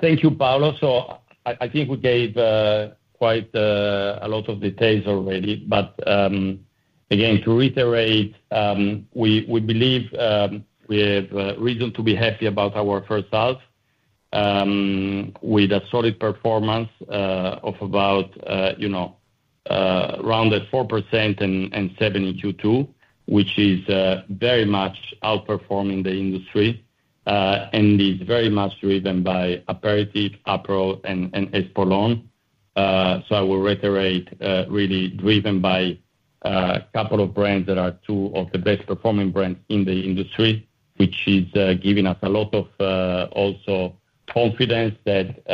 Thank you, Paolo. So I think we gave quite a lot of details already, but again, to reiterate, we believe we have reason to be happy about our first half with a solid performance of about 4% and 7% in Q2, which is very much outperforming the industry and is very much driven by aperitif, Aperol, and Espolòn. So I will reiterate, really driven by a couple of brands that are two of the best-performing brands in the industry, which is giving us a lot of also confidence that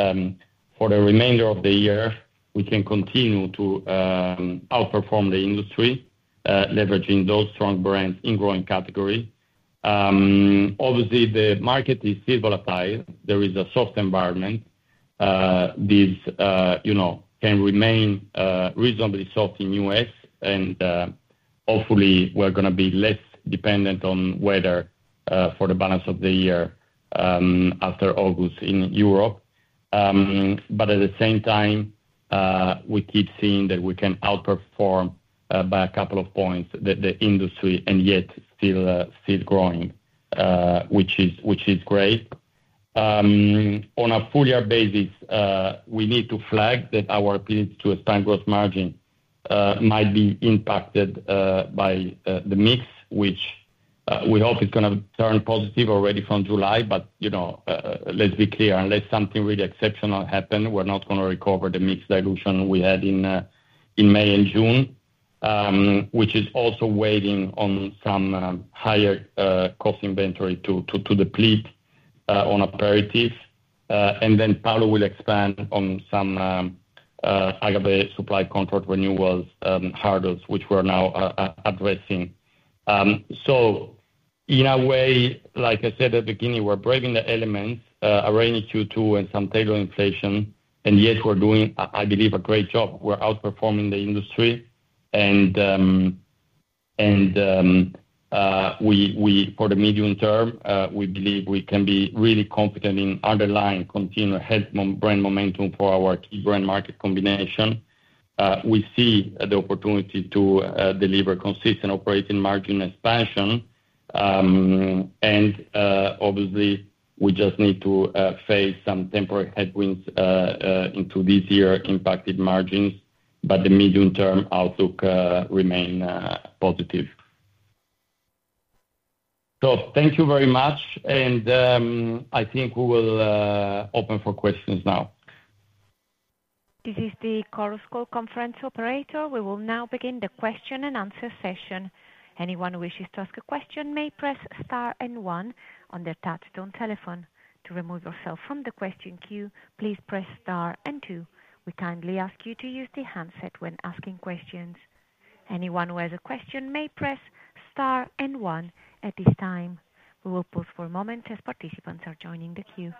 for the remainder of the year, we can continue to outperform the industry, leveraging those strong brands in growing categories. Obviously, the market is still volatile. There is a soft environment. This can remain reasonably soft in the U.S., and hopefully, we're going to be less dependent on weather for the balance of the year after August in Europe. But at the same time, we keep seeing that we can outperform by a couple of points the industry and yet still growing, which is great. On a full-year basis, we need to flag that our ability to expand gross margin might be impacted by the mix, which we hope is going to turn positive already from July, but let's be clear, unless something really exceptional happens, we're not going to recover the mix dilution we had in May and June, which is also waiting on some higher cost inventory to deplete on aperitif. And then Paolo will expand on some aggregate supply contract renewals hurdles, which we're now addressing. So in a way, like I said at the beginning, we're braving the elements, a rainy Q2 and some tailored inflation, and yet we're doing, I believe, a great job. We're outperforming the industry, and for the medium term, we believe we can be really confident in underlying continued brand momentum for our key brand market combination. We see the opportunity to deliver consistent operating margin expansion, and obviously, we just need to face some temporary headwinds into this year impacting margins, but the medium-term outlook remains positive. So thank you very much, and I think we will open for questions now. This is the Chorus Call conference operator. We will now begin the question and answer session. Anyone who wishes to ask a question may press Star and 1 on their touch-tone telephone. To remove yourself from the question queue, please press Star and 2. We kindly ask you to use the handset when asking questions. Anyone who has a question may press Star and 1 at this time. We will pause for a moment as participants are joining the queue.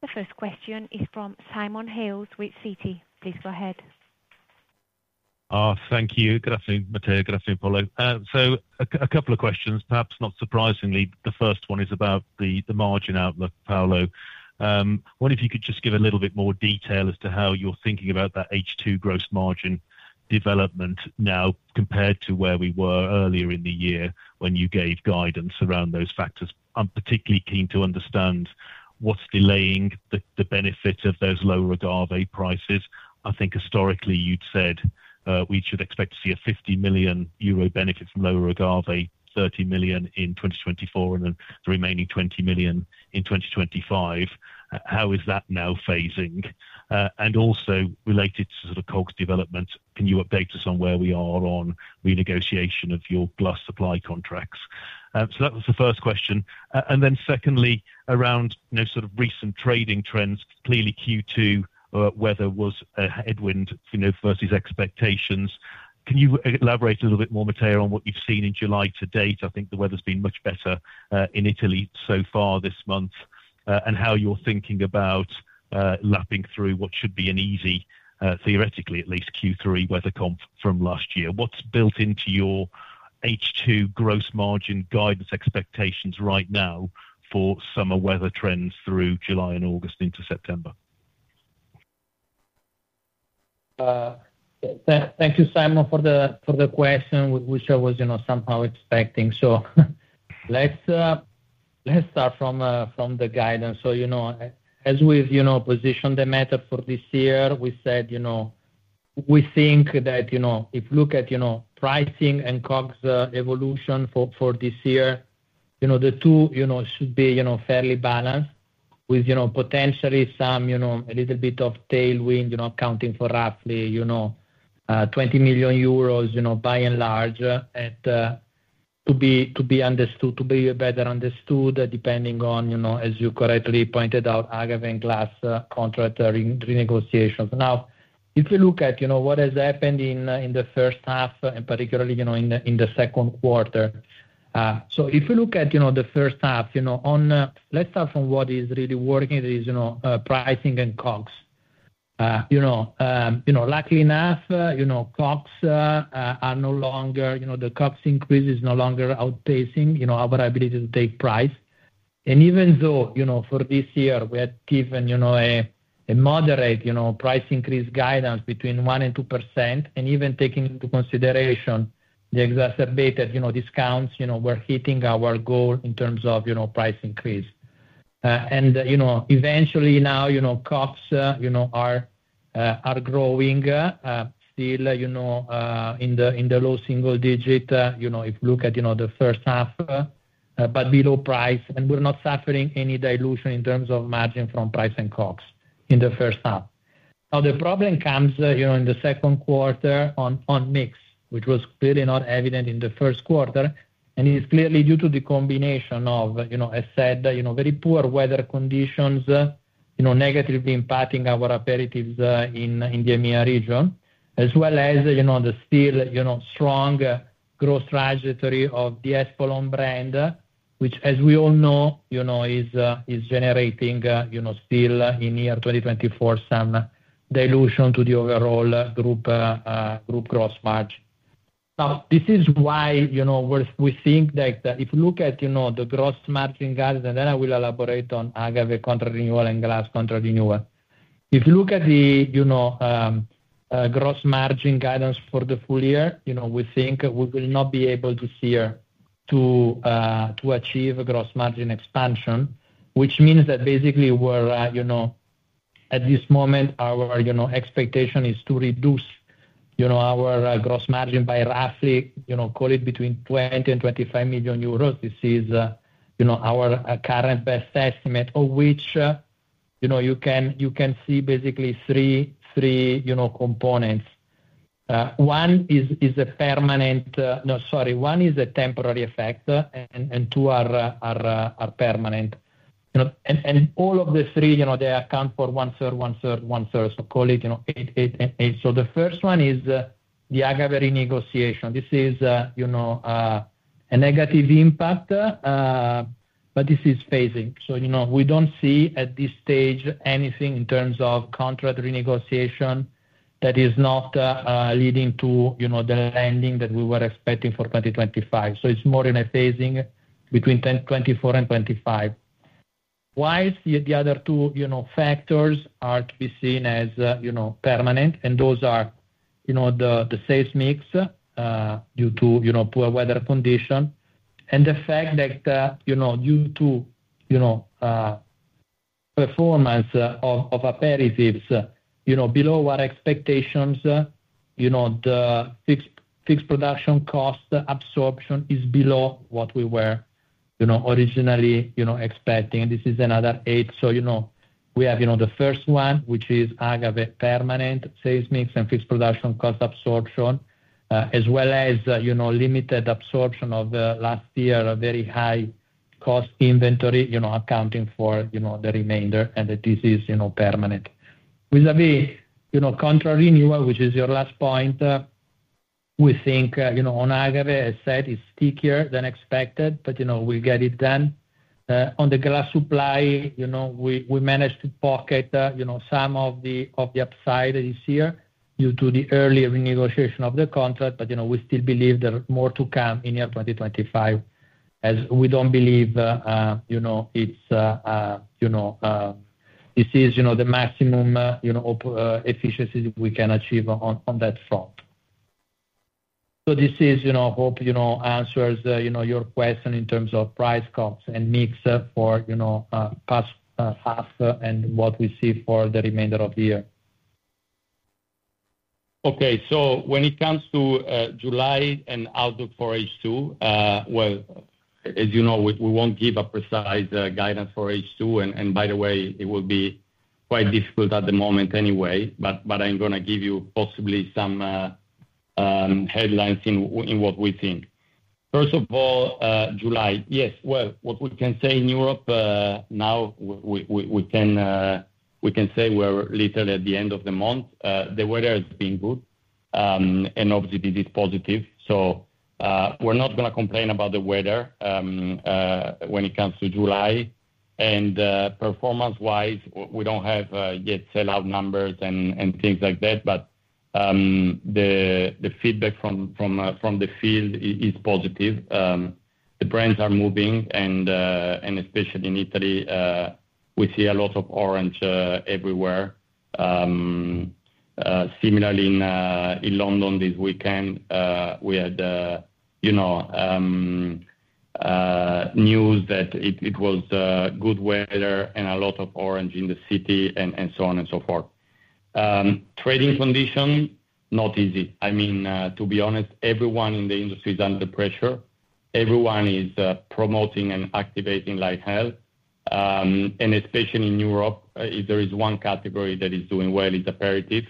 The first question is from Simon Hales with Citi. Please go ahead. Thank you. Good afternoon, Matteo. Good afternoon, Paolo. So a couple of questions, perhaps not surprisingly. The first one is about the margin outlook, Paolo. What if you could just give a little bit more detail as to how you're thinking about that H2 gross margin development now compared to where we were earlier in the year when you gave guidance around those factors? I'm particularly keen to understand what's delaying the benefit of those lower agave prices. I think historically, you'd said we should expect to see a 50 million euro benefit from lower agave, 30 million in 2024, and the remaining 20 million in 2025. How is that now phasing? And also related to sort of COGS development, can you update us on where we are on renegotiation of your suppliers' supply contracts? So that was the first question. And then secondly, around sort of recent trading trends, clearly Q2 weather was a headwind versus expectations. Can you elaborate a little bit more, Matteo, on what you've seen in July to date? I think the weather's been much better in Italy so far this month, and how you're thinking about lapping through what should be an easy, theoretically at least, Q3 weather comp from last year. What's built into your H2 gross margin guidance expectations right now for summer weather trends through July and August into September? Thank you, Simon, for the question, which I was somehow expecting. So let's start from the guidance. So as we've positioned the guidance for this year, we said we think that if you look at pricing and COGS evolution for this year, the two should be fairly balanced with potentially some a little bit of tailwind accounting for roughly 20 million euros by and large to be understood, to be better understood, depending on, as you correctly pointed out, agave and glass contract renegotiations. Now, if we look at what has happened in the first half, and particularly in the second quarter. So if we look at the first half, let's start from what is really working, that is pricing and COGS. Luckily enough, the COGS increase is no longer outpacing our ability to take price. Even though for this year, we had given a moderate price increase guidance between 1%-2%, and even taking into consideration the exacerbated discounts, we're hitting our goal in terms of price increase. Eventually now, COGS are growing still in the low single digit if you look at the first half, but below price, and we're not suffering any dilution in terms of margin from price and COGS in the first half. Now, the problem comes in the second quarter on mix, which was clearly not evident in the first quarter, and it's clearly due to the combination of, as I said, very poor weather conditions negatively impacting our aperitifs in the EMEA region, as well as the still strong growth trajectory of the Espolòn brand, which, as we all know, is generating still in year 2024 some dilution to the overall group gross margin. Now, this is why we think that if you look at the gross margin guidance, and then I will elaborate on agave contract renewal and glass contract renewal. If you look at the gross margin guidance for the full year, we think we will not be able to see to achieve gross margin expansion, which means that basically we're at this moment, our expectation is to reduce our gross margin by roughly, call it between 20 million and 25 million euros. This is our current best estimate, of which you can see basically three components. One is a permanent no, sorry, one is a temporary effect, and two are permanent. All of the three, they account for one-third, one-third, one-third, so call it 8 and 8. So the first one is the agave renegotiation. This is a negative impact, but this is phasing. So we don't see at this stage anything in terms of contract renegotiation that is not leading to the landing that we were expecting for 2025. So it's more in a phasing between 2024 and 2025. While the other two factors are to be seen as permanent, and those are the sales mix due to poor weather condition, and the fact that due to performance of aperitifs below our expectations, the fixed production cost absorption is below what we were originally expecting. This is another 8. So we have the first one, which is agave permanent sales mix and fixed production cost absorption, as well as limited absorption of last year, very high cost inventory accounting for the remainder, and this is permanent. Vis-à-vis contract renewal, which is your last point, we think on agave, as I said, is stickier than expected, but we'll get it done. On the glass supply, we managed to pocket some of the upside this year due to the early renegotiation of the contract, but we still believe there's more to come in year 2025, as we don't believe it's the maximum efficiency we can achieve on that front. So this hopefully answers your question in terms of price comps and mix for first half and what we see for the remainder of the year. Okay. So when it comes to July and outlook for H2, well, as you know, we won't give a precise guidance for H2, and by the way, it will be quite difficult at the moment anyway, but I'm going to give you possibly some headlines in what we think. First of all, July. Yes. Well, what we can say in Europe now, we can say we're literally at the end of the month. The weather has been good, and obviously, this is positive. So we're not going to complain about the weather when it comes to July. And performance-wise, we don't have yet sell-out numbers and things like that, but the feedback from the field is positive. The brands are moving, and especially in Italy, we see a lot of orange everywhere. Similarly, in London this weekend, we had news that it was good weather and a lot of orange in the city and so on and so forth. Trading conditions, not easy. I mean, to be honest, everyone in the industry is under pressure. Everyone is promoting and activating like hell. And especially in Europe, if there is one category that is doing well, it's aperitif,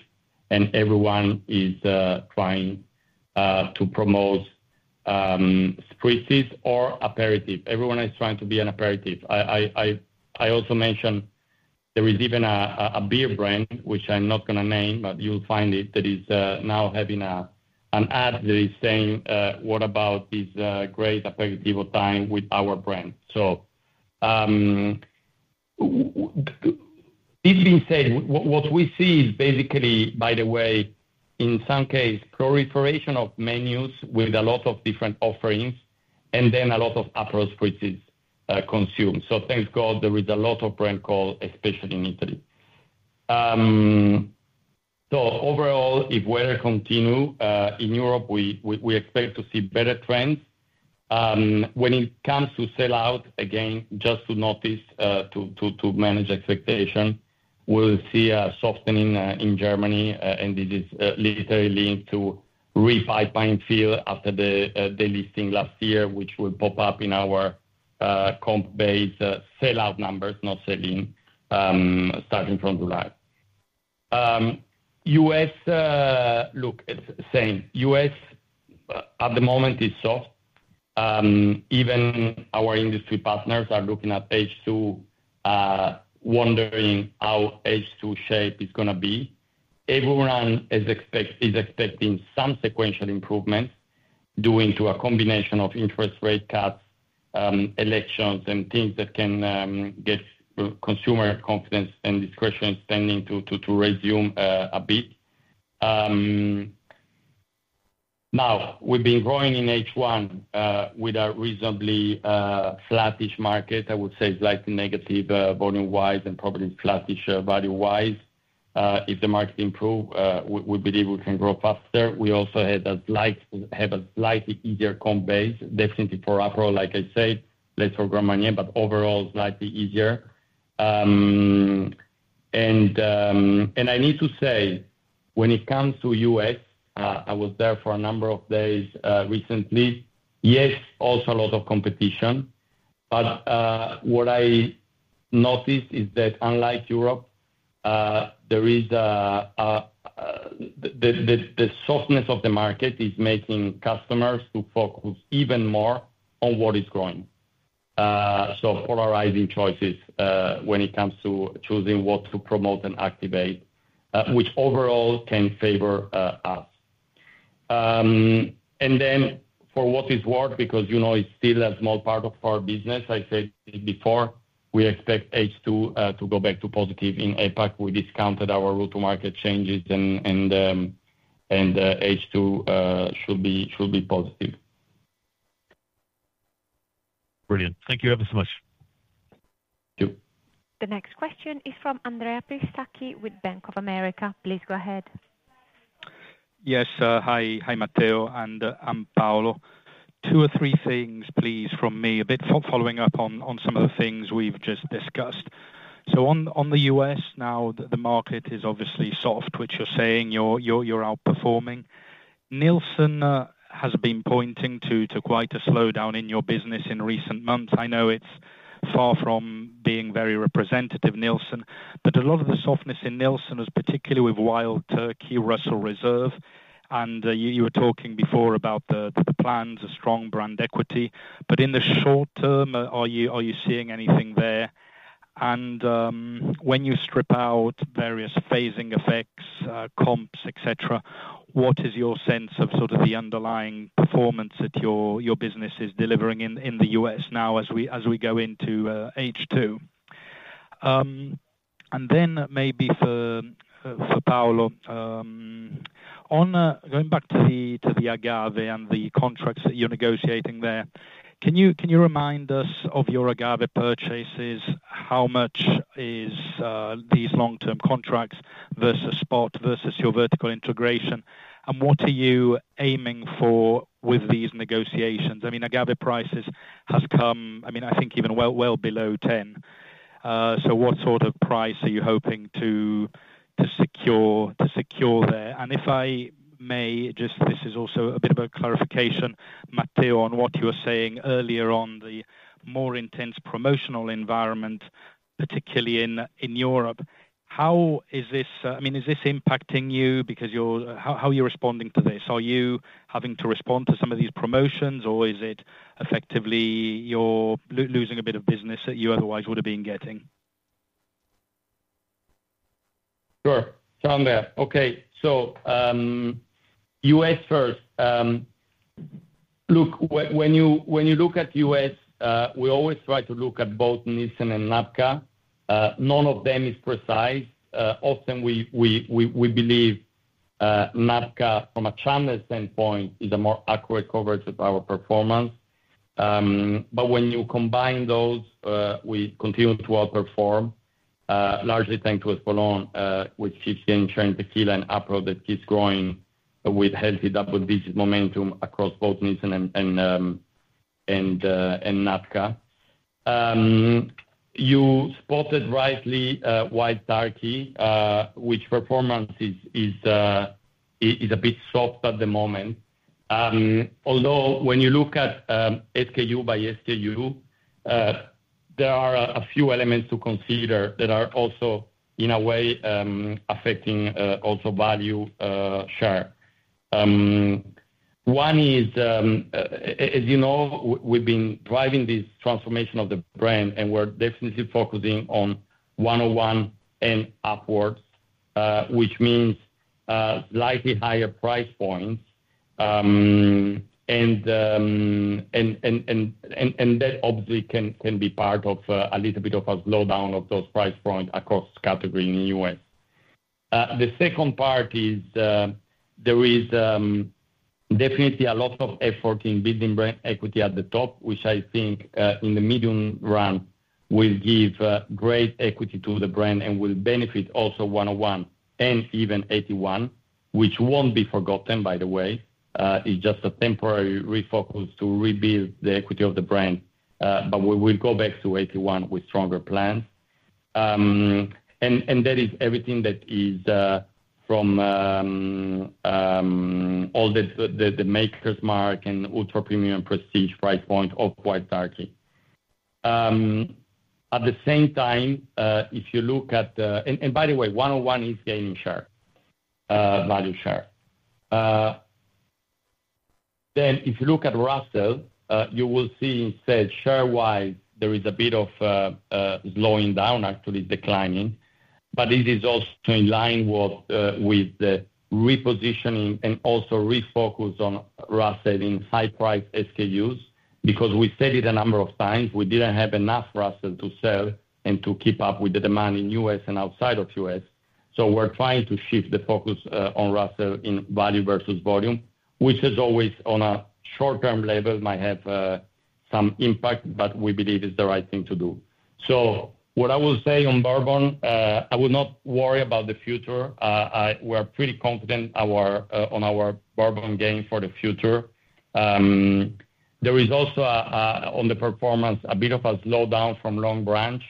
and everyone is trying to promote spritzes or aperitif. Everyone is trying to be an aperitif. I also mentioned there is even a beer brand, which I'm not going to name, but you'll find it, that is now having an ad that is saying, "What about this great aperitivo time with our brand?" So this being said, what we see is basically, by the way, in some cases, proliferation of menus with a lot of different offerings, and then a lot of Aperol Spritzes consumed. So thank God there is a lot of brand call, especially in Italy. So overall, if weather continues, in Europe, we expect to see better trends. When it comes to sell-out, again, just to notice, to manage expectations, we'll see a softening in Germany, and this is literally linked to re-pipeline fill after the listing last year, which will pop up in our comp-based sell-out numbers, not sell-in, starting from July. U.S., look, same. U.S. at the moment is soft. Even our industry partners are looking at H2, wondering how H2 shape is going to be. Everyone is expecting some sequential improvements due to a combination of interest rate cuts, elections, and things that can get consumer confidence and discretionary spending to resume a bit. Now, we've been growing in H1 with a reasonably flattish market. I would say it's slightly negative volume-wise and probably flattish value-wise. If the market improves, we believe we can grow faster. We also have a slightly easier comp base, definitely for Aperol, like I said, less for Grand Marnier, but overall, slightly easier. I need to say, when it comes to US, I was there for a number of days recently. Yes, also a lot of competition. But what I noticed is that unlike Europe, the softness of the market is making customers to focus even more on what is growing. So polarizing choices when it comes to choosing what to promote and activate, which overall can favor us. And then for what it's worth, because it's still a small part of our business, I said before, we expect H2 to go back to positive in APAC. We discounted our route to market changes, and H2 should be positive. Brilliant. Thank you ever so much. You too. The next question is from Andrea Pistacchi with Bank of America. Please go ahead. Yes. Hi, Matteo, hi Paolo. Two or three things, please, from me, a bit following up on some of the things we've just discussed. So on the US now, the market is obviously soft, which you're saying you're outperforming. Nielsen has been pointing to quite a slowdown in your business in recent months. I know it's far from being very representative, Nielsen, but a lot of the softness in Nielsen is particularly with Wild Turkey, Russell’s Reserve. And you were talking before about the plans, a strong brand equity. But in the short term, are you seeing anything there? And when you strip out various phasing effects, comps, etc., what is your sense of sort of the underlying performance that your business is delivering in the US now as we go into H2? And then maybe for Paolo, going back to the agave and the contracts that you're negotiating there, can you remind us of your agave purchases? How much is these long-term contracts versus spot versus your vertical integration? And what are you aiming for with these negotiations? I mean, agave prices have come, I mean, I think even well below 10. So what sort of price are you hoping to secure there? And if I may, just this is also a bit of a clarification, Matteo, on what you were saying earlier on the more intense promotional environment, particularly in Europe, how is this, I mean, is this impacting you because how are you responding to this? Are you having to respond to some of these promotions, or is it effectively you're losing a bit of business that you otherwise would have been getting? Sure. Sound there. Okay. So U.S. first. Look, when you look at U.S., we always try to look at both Nielsen and NABCA. None of them is precise. Often, we believe NABCA, from a channel standpoint, is a more accurate coverage of our performance. But when you combine those, we continue to outperform, largely thanks to Espolòn, which keeps getting traction in tequila and Aperol that keeps growing with healthy double-digit momentum across both Nielsen and NABCA. You spotted rightly Wild Turkey, whose performance is a bit soft at the moment. Although when you look at SKU by SKU, there are a few elements to consider that are also, in a way, affecting also value share. One is, as you know, we've been driving this transformation of the brand, and we're definitely focusing on 101 and upwards, which means slightly higher price points. And that obviously can be part of a little bit of a slowdown of those price points across category in the US. The second part is there is definitely a lot of effort in building brand equity at the top, which I think in the medium run will give great equity to the brand and will benefit also 101 and even 81, which won't be forgotten, by the way. It's just a temporary refocus to rebuild the equity of the brand, but we will go back to 81 with stronger plans. And that is everything that is from all the Maker's Mark and ultra-premium prestige price point of Wild Turkey. At the same time, if you look at the and by the way, 101 is gaining share, value share. Then if you look at Russell, you will see instead share-wise, there is a bit of slowing down, actually declining. But this is also in line with the repositioning and also refocus on Russell in high-priced SKUs because we said it a number of times, we didn't have enough Russell to sell and to keep up with the demand in U.S. and outside of U.S. So we're trying to shift the focus on Russell in value versus volume, which is always on a short-term level might have some impact, but we believe it's the right thing to do. So what I will say on Bourbon, I will not worry about the future. We are pretty confident on our Bourbon game for the future. There is also on the performance a bit of a slowdown from Longbranch,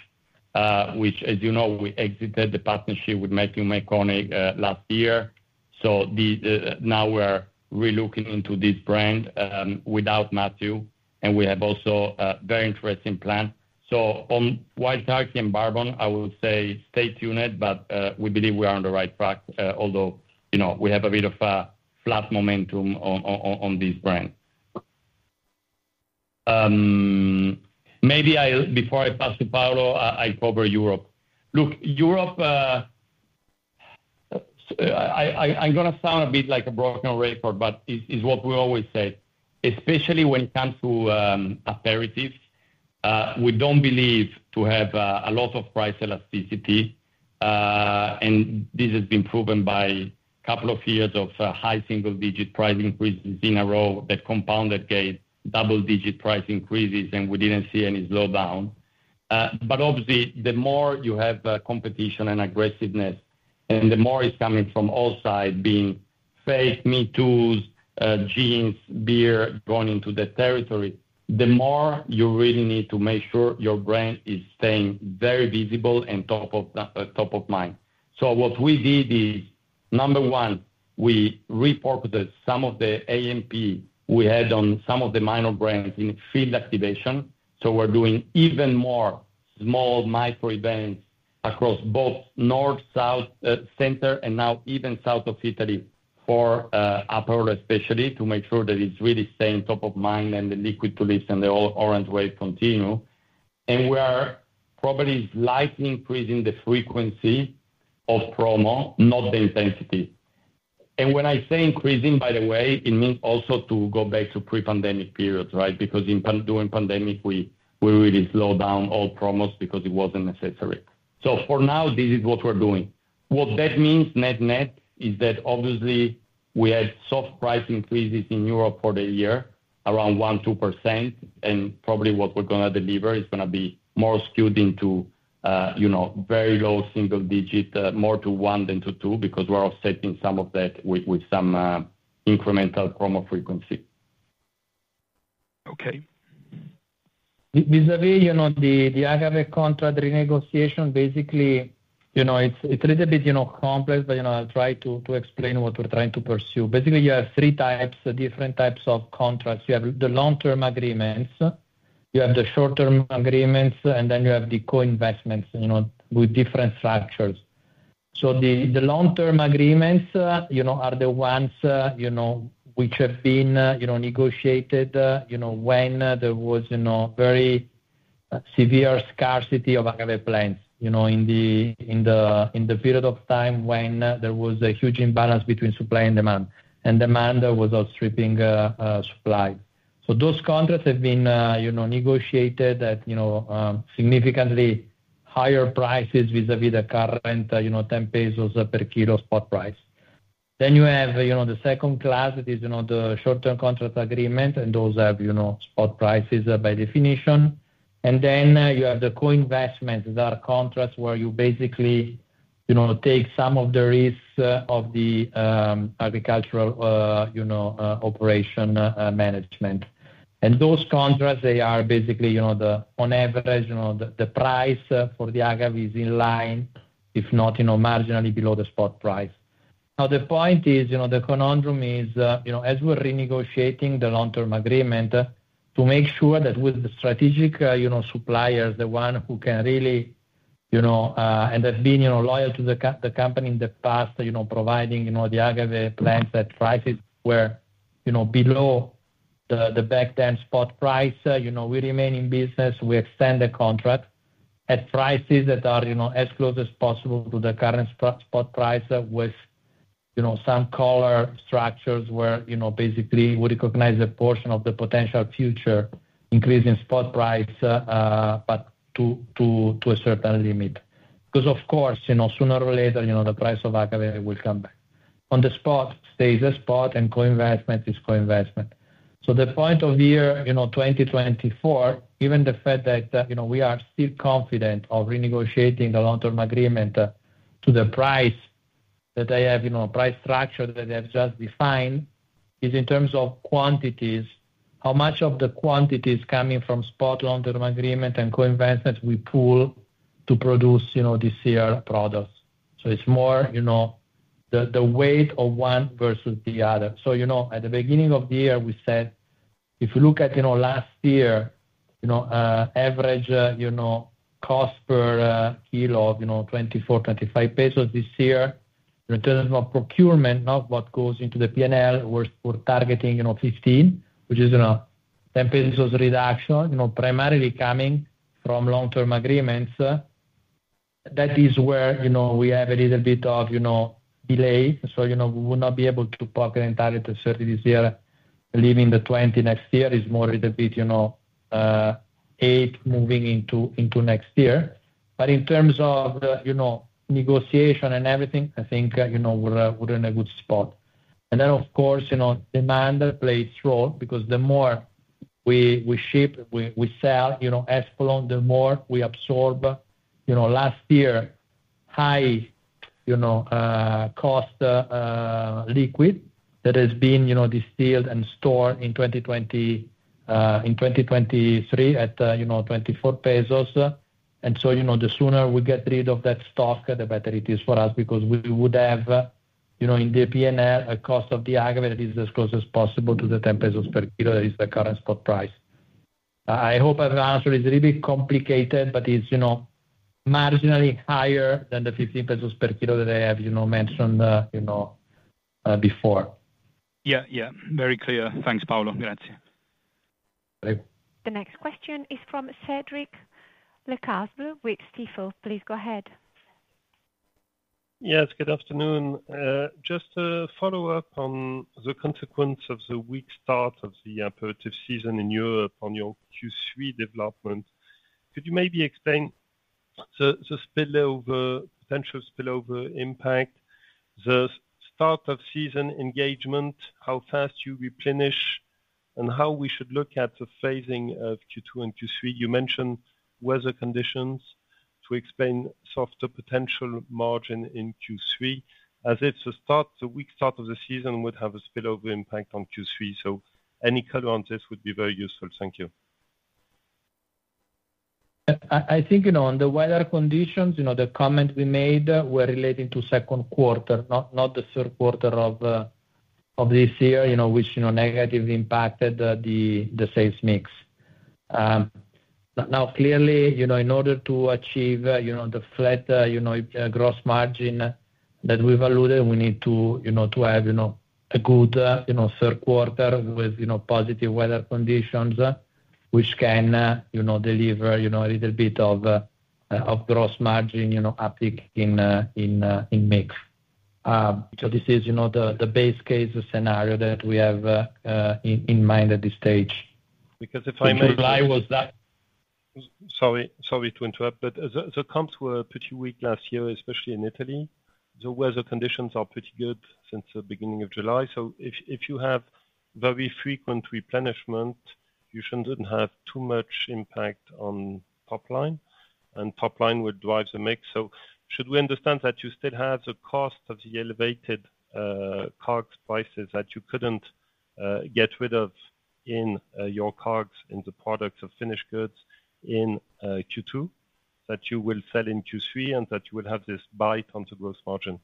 which, as you know, we exited the partnership with Matthew McConaughey last year. So now we're re-looking into this brand without Matthew, and we have also a very interesting plan. So on Wild Turkey and bourbon, I would say stay tuned, but we believe we are on the right track, although we have a bit of a flat momentum on this brand. Mybe before I pass to Paolo, I cover Europe. Look, Europe, I'm going to sound a bit like a broken record, but it's what we always say, especially when it comes to aperitifs. We don't believe to have a lot of price elasticity, and this has been proven by a couple of years of high single-digit price increases in a row that compounded gave double-digit price increases, and we didn't see any slowdown. But obviously, the more you have competition and aggressiveness, and the more is coming from all sides being fake, me-toos, gins, beer going into the territory, the more you really need to make sure your brand is staying very visible and top of mind. So what we did is, number one, we repurposed some of the A&P we had on some of the minor brands in field activation. So we're doing even more small micro-events across both north, south, center, and now even south of Italy for Aperol especially to make sure that it's really staying top of mind and the liquid to lips and the orange wave continue. And we are probably slightly increasing the frequency of promo, not the intensity. And when I say increasing, by the way, it means also to go back to pre-pandemic periods, right? Because during pandemic, we really slowed down all promos because it wasn't necessary. So for now, this is what we're doing. What that means net-net is that obviously we had soft price increases in Europe for the year, around 1%-2%, and probably what we're going to deliver is going to be more skewed into very low single-digit, more to 1 than to 2 because we're offsetting some of that with some incremental promo frequency. Okay. Vis-à-vis the agave contract renegotiation, basically, it's a little bit complex, but I'll try to explain what we're trying to pursue. Basically, you have three types, different types of contracts. You have the long-term agreements, you have the short-term agreements, and then you have the co-investments with different structures. So the long-term agreements are the ones which have been negotiated when there was very severe scarcity of agave plants in the period of time when there was a huge imbalance between supply and demand, and demand was outstripping supply. So those contracts have been negotiated at significantly higher prices vis-à-vis the current 10 pesos per kilo spot price. Then you have the second class that is the short-term contract agreement, and those have spot prices by definition. And then you have the co-investments. These are contracts where you basically take some of the risks of the agricultural operation management. And those contracts, they are basically, on average, the price for the agave is in line, if not marginally below the spot price. Now, the point is the conundrum is, as we're renegotiating the long-term agreement, to make sure that with the strategic suppliers, the one who can really and have been loyal to the company in the past, providing the agave plants at prices where below the back-end spot price, we remain in business. We extend the contract at prices that are as close as possible to the current spot price with some color structures where basically we recognize a portion of the potential future increase in spot price, but to a certain limit. Because, of course, sooner or later, the price of agave will come back. On the spot, stays a spot, and co-investment is co-investment. So the point of year 2024, given the fact that we are still confident of renegotiating the long-term agreement to the price that they have, price structure that they have just defined, is in terms of quantities, how much of the quantity is coming from spot long-term agreement and co-investment we pull to produce this year products. So it's more the weight of one versus the other. So at the beginning of the year, we said, if you look at last year, average cost per kilo of 24-25 pesos this year, in terms of procurement, not what goes into the P&L, we're targeting 15, which is a 10 pesos reduction, primarily coming from long-term agreements. That is where we have a little bit of delay. So we will not be able to pocket and target a certain this year. Believing the 20 next year is more a little bit 8 moving into next year. But in terms of negotiation and everything, I think we're in a good spot. And then, of course, demand plays role because the more we ship, we sell Espolòn, the more we absorb last year high cost liquid that has been distilled and stored in 2023 at 24 pesos. And so the sooner we get rid of that stock, the better it is for us because we would have in the P&L a cost of the agave that is as close as possible to the 10 pesos per kilo that is the current spot price. I hope I've answered it. It's a little bit complicated, but it's marginally higher than the 15 pesos per kilo that I have mentioned before. Yeah, yeah. Very clear. Thanks, Paolo. Grazie. The next question is from Cédric Lecasble with Stifel. Please go ahead. Yes, good afternoon. Just to follow up on the consequence of the weak start of the Aperol season in Europe on your Q3 development, could you maybe explain the potential spillover impact, the start of season engagement, how fast you replenish, and how we should look at the phasing of Q2 and Q3? You mentioned weather conditions to explain softer potential margin in Q3. As if the weak start of the season would have a spillover impact on Q3. So any color on this would be very useful. Thank you. I think on the weather conditions, the comment we made were relating to second quarter, not the third quarter of this year, which negatively impacted the sales mix. Now, clearly, in order to achieve the flat gross margin that we've alluded, we need to have a good third quarter with positive weather conditions, which can deliver a little bit of gross margin uptick in mix. So this is the base case scenario that we have in mind at this stage. Because if I may. July was that. Sorry to interrupt, but the comps were pretty weak last year, especially in Italy. The weather conditions are pretty good since the beginning of July. So if you have very frequent replenishment, you shouldn't have too much impact on top line, and top line would drive the mix. So should we understand that you still have the cost of the elevated COGS prices that you couldn't get rid of in your COGS in the products of finished goods in Q2, that you will sell in Q3, and that you will have this bite on the gross margin?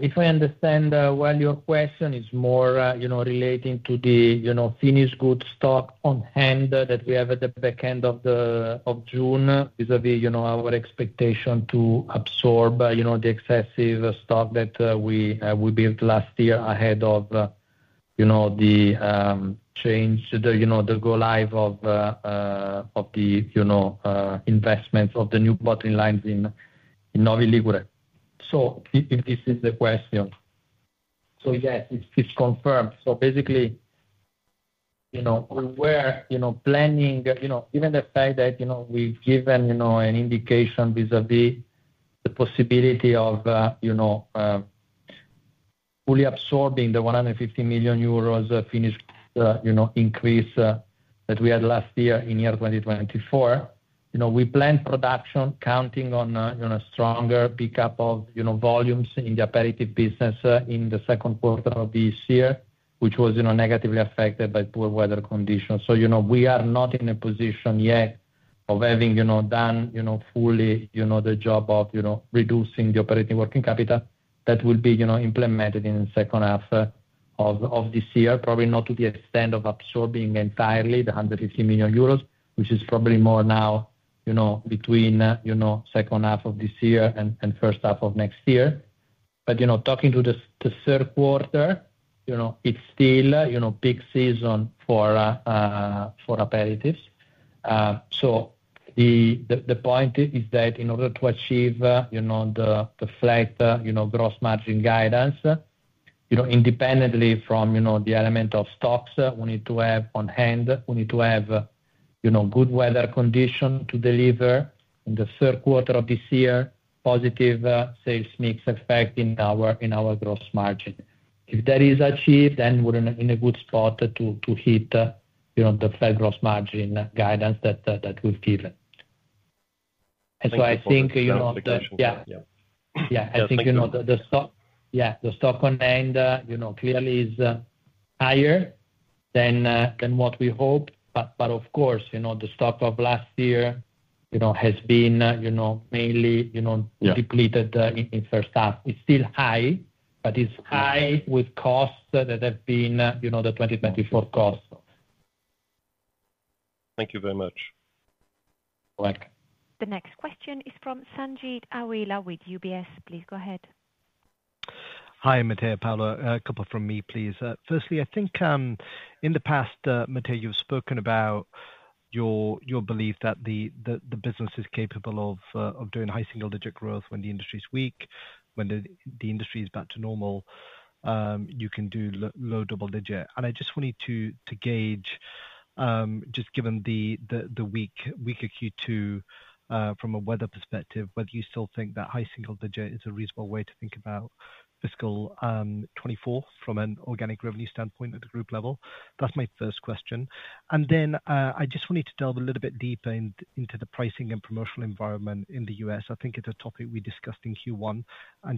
If I understand well, your question is more relating to the finished goods stock on hand that we have at the back end of June vis-à-vis our expectation to absorb the excessive stock that we built last year ahead of the change, the go-live of the investments of the new bottling lines in Novi Ligure. So if this is the question. So yes, it's confirmed. So basically, we were planning even the fact that we've given an indication vis-à-vis the possibility of fully absorbing the 150 million euros finished goods increase that we had last year in year 2024. We planned production counting on a stronger pickup of volumes in the aperitif business in the second quarter of this year, which was negatively affected by poor weather conditions. So we are not in a position yet of having done fully the job of reducing the operating working capital that will be implemented in the second half of this year, probably not to the extent of absorbing entirely the 150 million euros, which is probably more now between second half of this year and first half of next year. But talking to the third quarter, it's still peak season for aperitifs. So the point is that in order to achieve the flat gross margin guidance, independently from the element of stocks, we need to have on hand, we need to have good weather conditions to deliver in the third quarter of this year positive sales mix affecting our gross margin. If that is achieved, then we're in a good spot to hit the flat gross margin guidance that we've given. And so I think. Yeah. Yeah. I think the stock. Yeah. The stock on hand clearly is higher than what we hope. But of course, the stock of last year has been mainly depleted in first half. It's still high, but it's high with costs that have been the 2024 costs. Thank you very much. All right. The next question is from Sanjeet Aujla with UBS. Please go ahead. Hi, Matteo, Paolo. A couple from me, please. Firstly, I think in the past, Matteo, you've spoken about your belief that the business is capable of doing high single-digit growth when the industry is weak, when the industry is back to normal, you can do low double-digit. I just wanted to gauge, just given the weaker Q2 from a weather perspective, whether you still think that high single-digit is a reasonable way to think about fiscal 2024 from an organic revenue standpoint at the group level. That's my first question. I just wanted to delve a little bit deeper into the pricing and promotional environment in the US. I think it's a topic we discussed in Q1.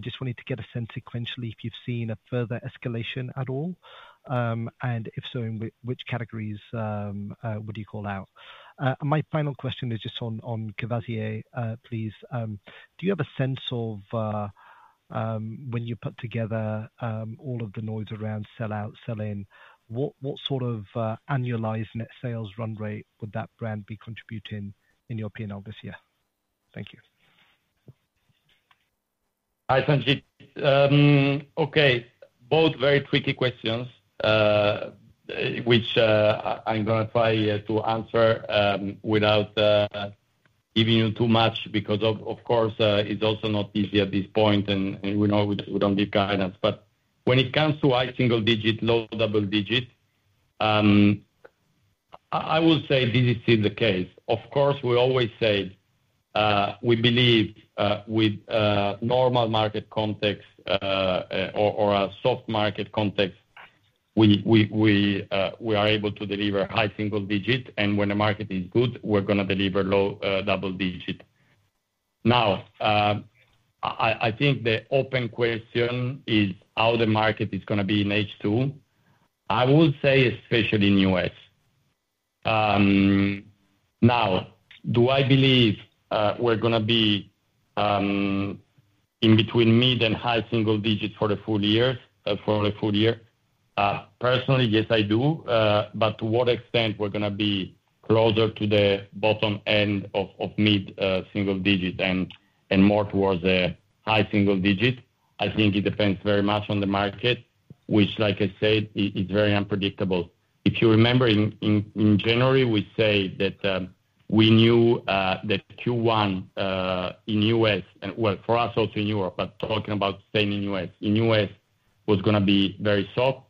Just wanted to get a sense sequentially if you've seen a further escalation at all. And if so, which categories would you call out? My final question is just on Courvoisier, please. Do you have a sense of when you put together all of the noise around sell-out, sell-in, what sort of annualized net sales run rate would that brand be contributing in your opinion this year? Thank you. Hi, Sanjit. Okay. Both very tricky questions, which I'm going to try to answer without giving you too much because, of course, it's also not easy at this point, and we don't give guidance. But when it comes to high single-digit, low double-digit, I will say this is still the case. Of course, we always say we believe with normal market context or a soft market context, we are able to deliver high single-digit, and when the market is good, we're going to deliver low double-digit. Now, I think the open question is how the market is going to be in H2. I will say especially in the U.S. Now, do I believe we're going to be in between mid and high single digits for the full year? Personally, yes, I do. But to what extent we're going to be closer to the bottom end of mid single digit and more towards the high single digit? I think it depends very much on the market, which, like I said, is very unpredictable. If you remember, in January, we said that we knew that Q1 in the US, well, for us also in Europe, but talking about staying in the US, in the US was going to be very soft.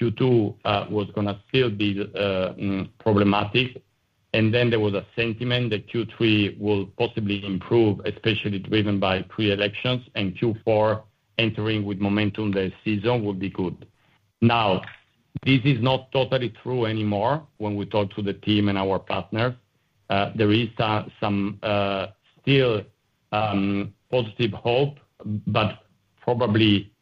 Q2 was going to still be problematic. And then there was a sentiment that Q3 will possibly improve, especially driven by pre-elections, and Q4 entering with momentum this season would be good. Now, this is not totally true anymore when we talk to the team and our partners. There is some still positive hope, but probably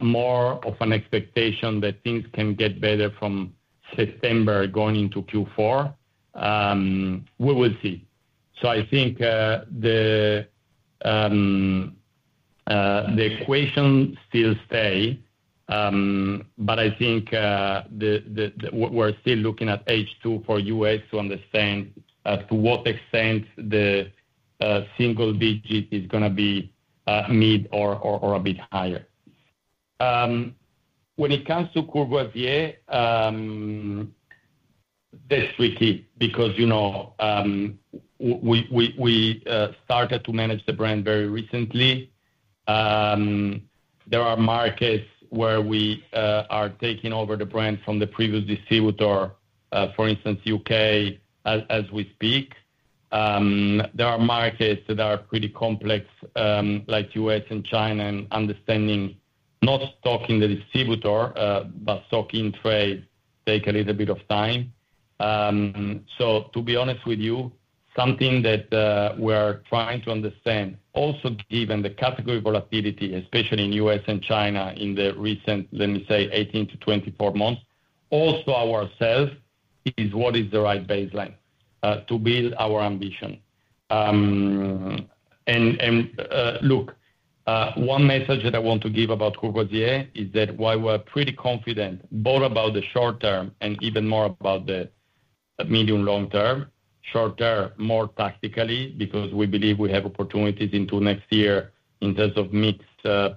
more of an expectation that things can get better from September going into Q4. We will see. So I think the equation still stays, but I think we're still looking at H2 for U.S. to understand to what extent the single digit is going to be mid or a bit higher. When it comes to Courvoisier, that's tricky because we started to manage the brand very recently. There are markets where we are taking over the brand from the previous distributor, for instance, U.K., as we speak. There are markets that are pretty complex, like U.S. and China, and understanding not stocking the distributor, but stocking trade takes a little bit of time. So to be honest with you, something that we're trying to understand, also given the category volatility, especially in U.S. and China in the recent, let me say, 18-24 months, also ourselves is what is the right baseline to build our ambition. Look, one message that I want to give about Courvoisier is that while we're pretty confident both about the short term and even more about the medium-long term, short term more tactically because we believe we have opportunities into next year in terms of mix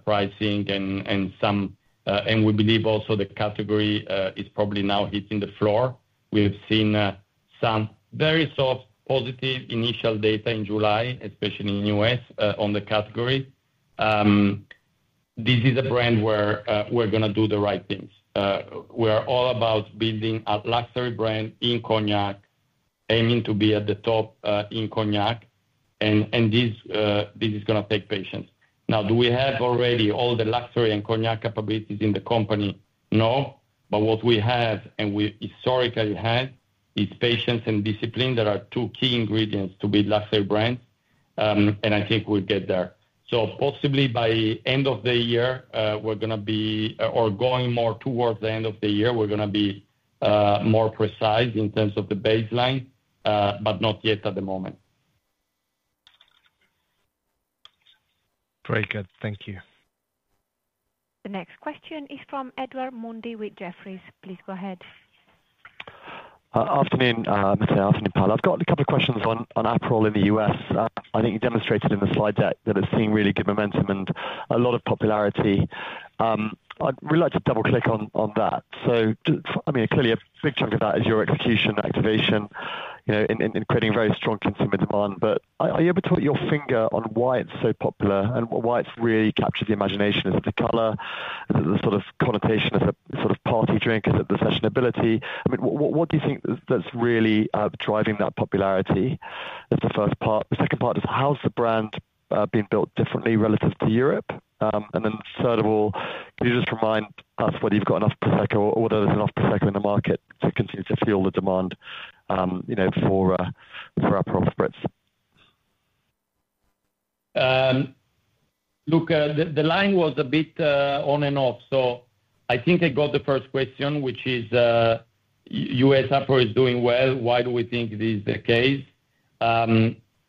pricing and some, and we believe also the category is probably now hitting the floor. We have seen some very soft positive initial data in July, especially in the U.S. on the category. This is a brand where we're going to do the right things. We're all about building a luxury brand in Cognac, aiming to be at the top in Cognac. And this is going to take patience. Now, do we have already all the luxury and Cognac capabilities in the company? No. But what we have and we historically had is patience and discipline. There are two key ingredients to build luxury brands. And I think we'll get there. So possibly by end of the year, we're going to be or going more towards the end of the year, we're going to be more precise in terms of the baseline, but not yet at the moment. Very good. Thank you. The next question is from Edward Mundy with Jefferies. Please go ahead. Afternoon, Matteo. Afternoon, Paolo. I've got a couple of questions on Aperol in the US. I think you demonstrated in the slides that it's seen really good momentum and a lot of popularity. I'd really like to double-click on that. So I mean, clearly, a big chunk of that is your execution activation in creating very strong consumer demand. But are you able to put your finger on why it's so popular and why it's really captured the imagination? Is it the color? Is it the sort of connotation? Is it the sort of party drink? Is it the sessionability? I mean, what do you think that's really driving that popularity? That's the first part. The second part is, how's the brand being built differently relative to Europe? And then third of all, can you just remind us whether you've got enough Prosecco or whether there's enough Prosecco in the market to continue to fuel the demand for Aperol Spritz? Look, the line was a bit on and off. So I think I got the first question, which is, US Aperol is doing well. Why do we think this is the case?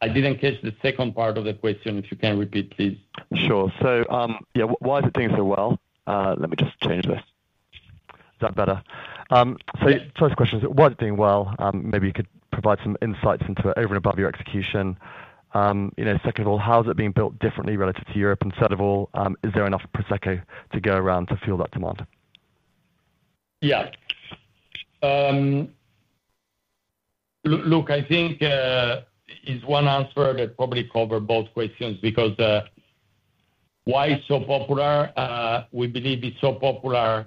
I didn't catch the second part of the question. If you can repeat, please. Sure. So yeah, why is it doing so well? Let me just change this. Is that better? So, first question is, why is it doing well? Maybe you could provide some insights into it over and above your execution. Second of all, how is it being built differently relative to Europe? And third of all, is there enough Prosecco to go around to fuel that demand? Yeah. Look, I think it's one answer that probably covers both questions because why it's so popular? We believe it's so popular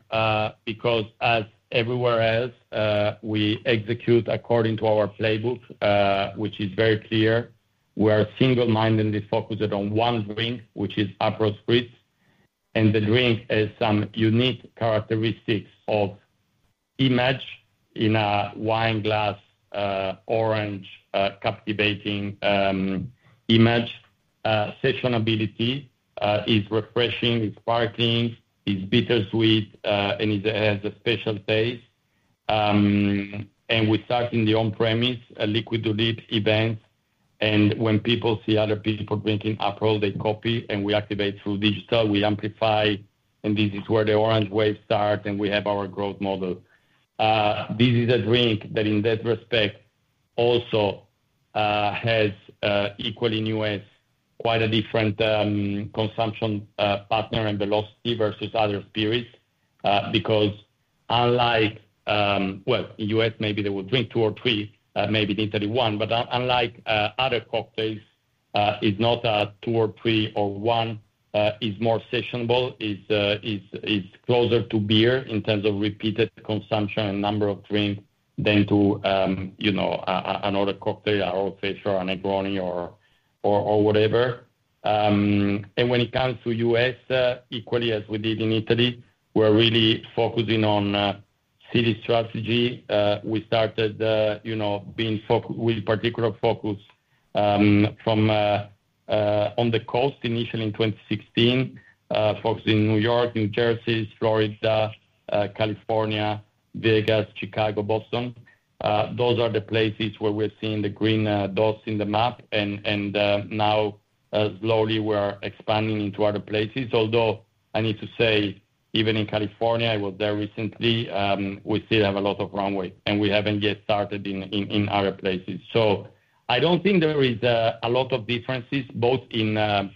because, as everywhere else, we execute according to our playbook, which is very clear. We are single-mindedly focused on one drink, which is Aperol Spritz. And the drink has some unique characteristics of image in a wine glass, orange captivating image. Sessionability is refreshing. It's sparkling. It's bittersweet. And it has a special taste. And we start in the on-premise, liquid to liquid events. And when people see other people drinking Aperol, they copy. And we activate through digital. We A&Plify. This is where the orange wave starts. We have our growth model. This is a drink that in that respect also has equally in the U.S. quite a different consumption pattern and velocity versus other spirits because unlike well, in the U.S., maybe they would drink two or three. Maybe in Italy, one. But unlike other cocktails, it's not a two or three or one. It's more sessionable. It's closer to beer in terms of repeated consumption and number of drinks than to another cocktail Old Fashioned or a Negroni or whatever. When it comes to U.S., equally as we did in Italy, we're really focusing on city strategy. We started with particular focus on the coast initially in 2016, focusing New York, New Jersey, Florida, California, Vegas, Chicago, Boston. Those are the places where we're seeing the green dots in the map. Now, slowly, we're expanding into other places. Although I need to say, even in California, I was there recently, we still have a lot of runway. We haven't yet started in other places. I don't think there is a lot of differences both in the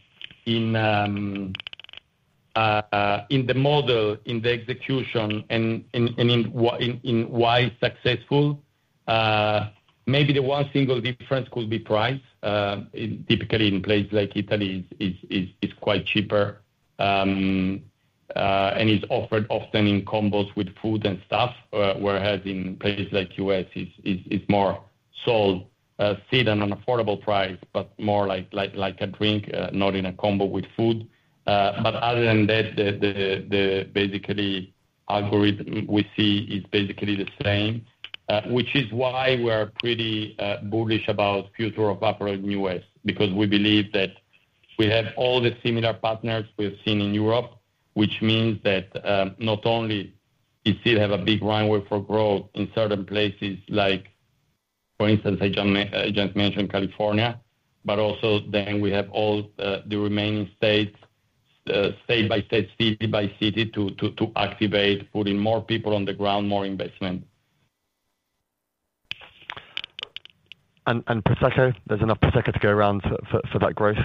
model, in the execution, and in why it's successful. Maybe the one single difference could be price. Typically, in places like Italy, it's quite cheaper. It's offered often in combos with food and stuff, whereas in places like US, it's more sold at an affordable price, but more like a drink, not in a combo with food. But other than that, basically, the algorithm we see is basically the same, which is why we're pretty bullish about the future of Aperol in the U.S. because we believe that we have all the similar partners we've seen in Europe, which means that not only we still have a big runway for growth in certain places, like for instance, I just mentioned California, but also then we have all the remaining states, state by state, city by city, to activate, putting more people on the ground, more investment. And Prosecco, there's enough Prosecco to go around for that growth?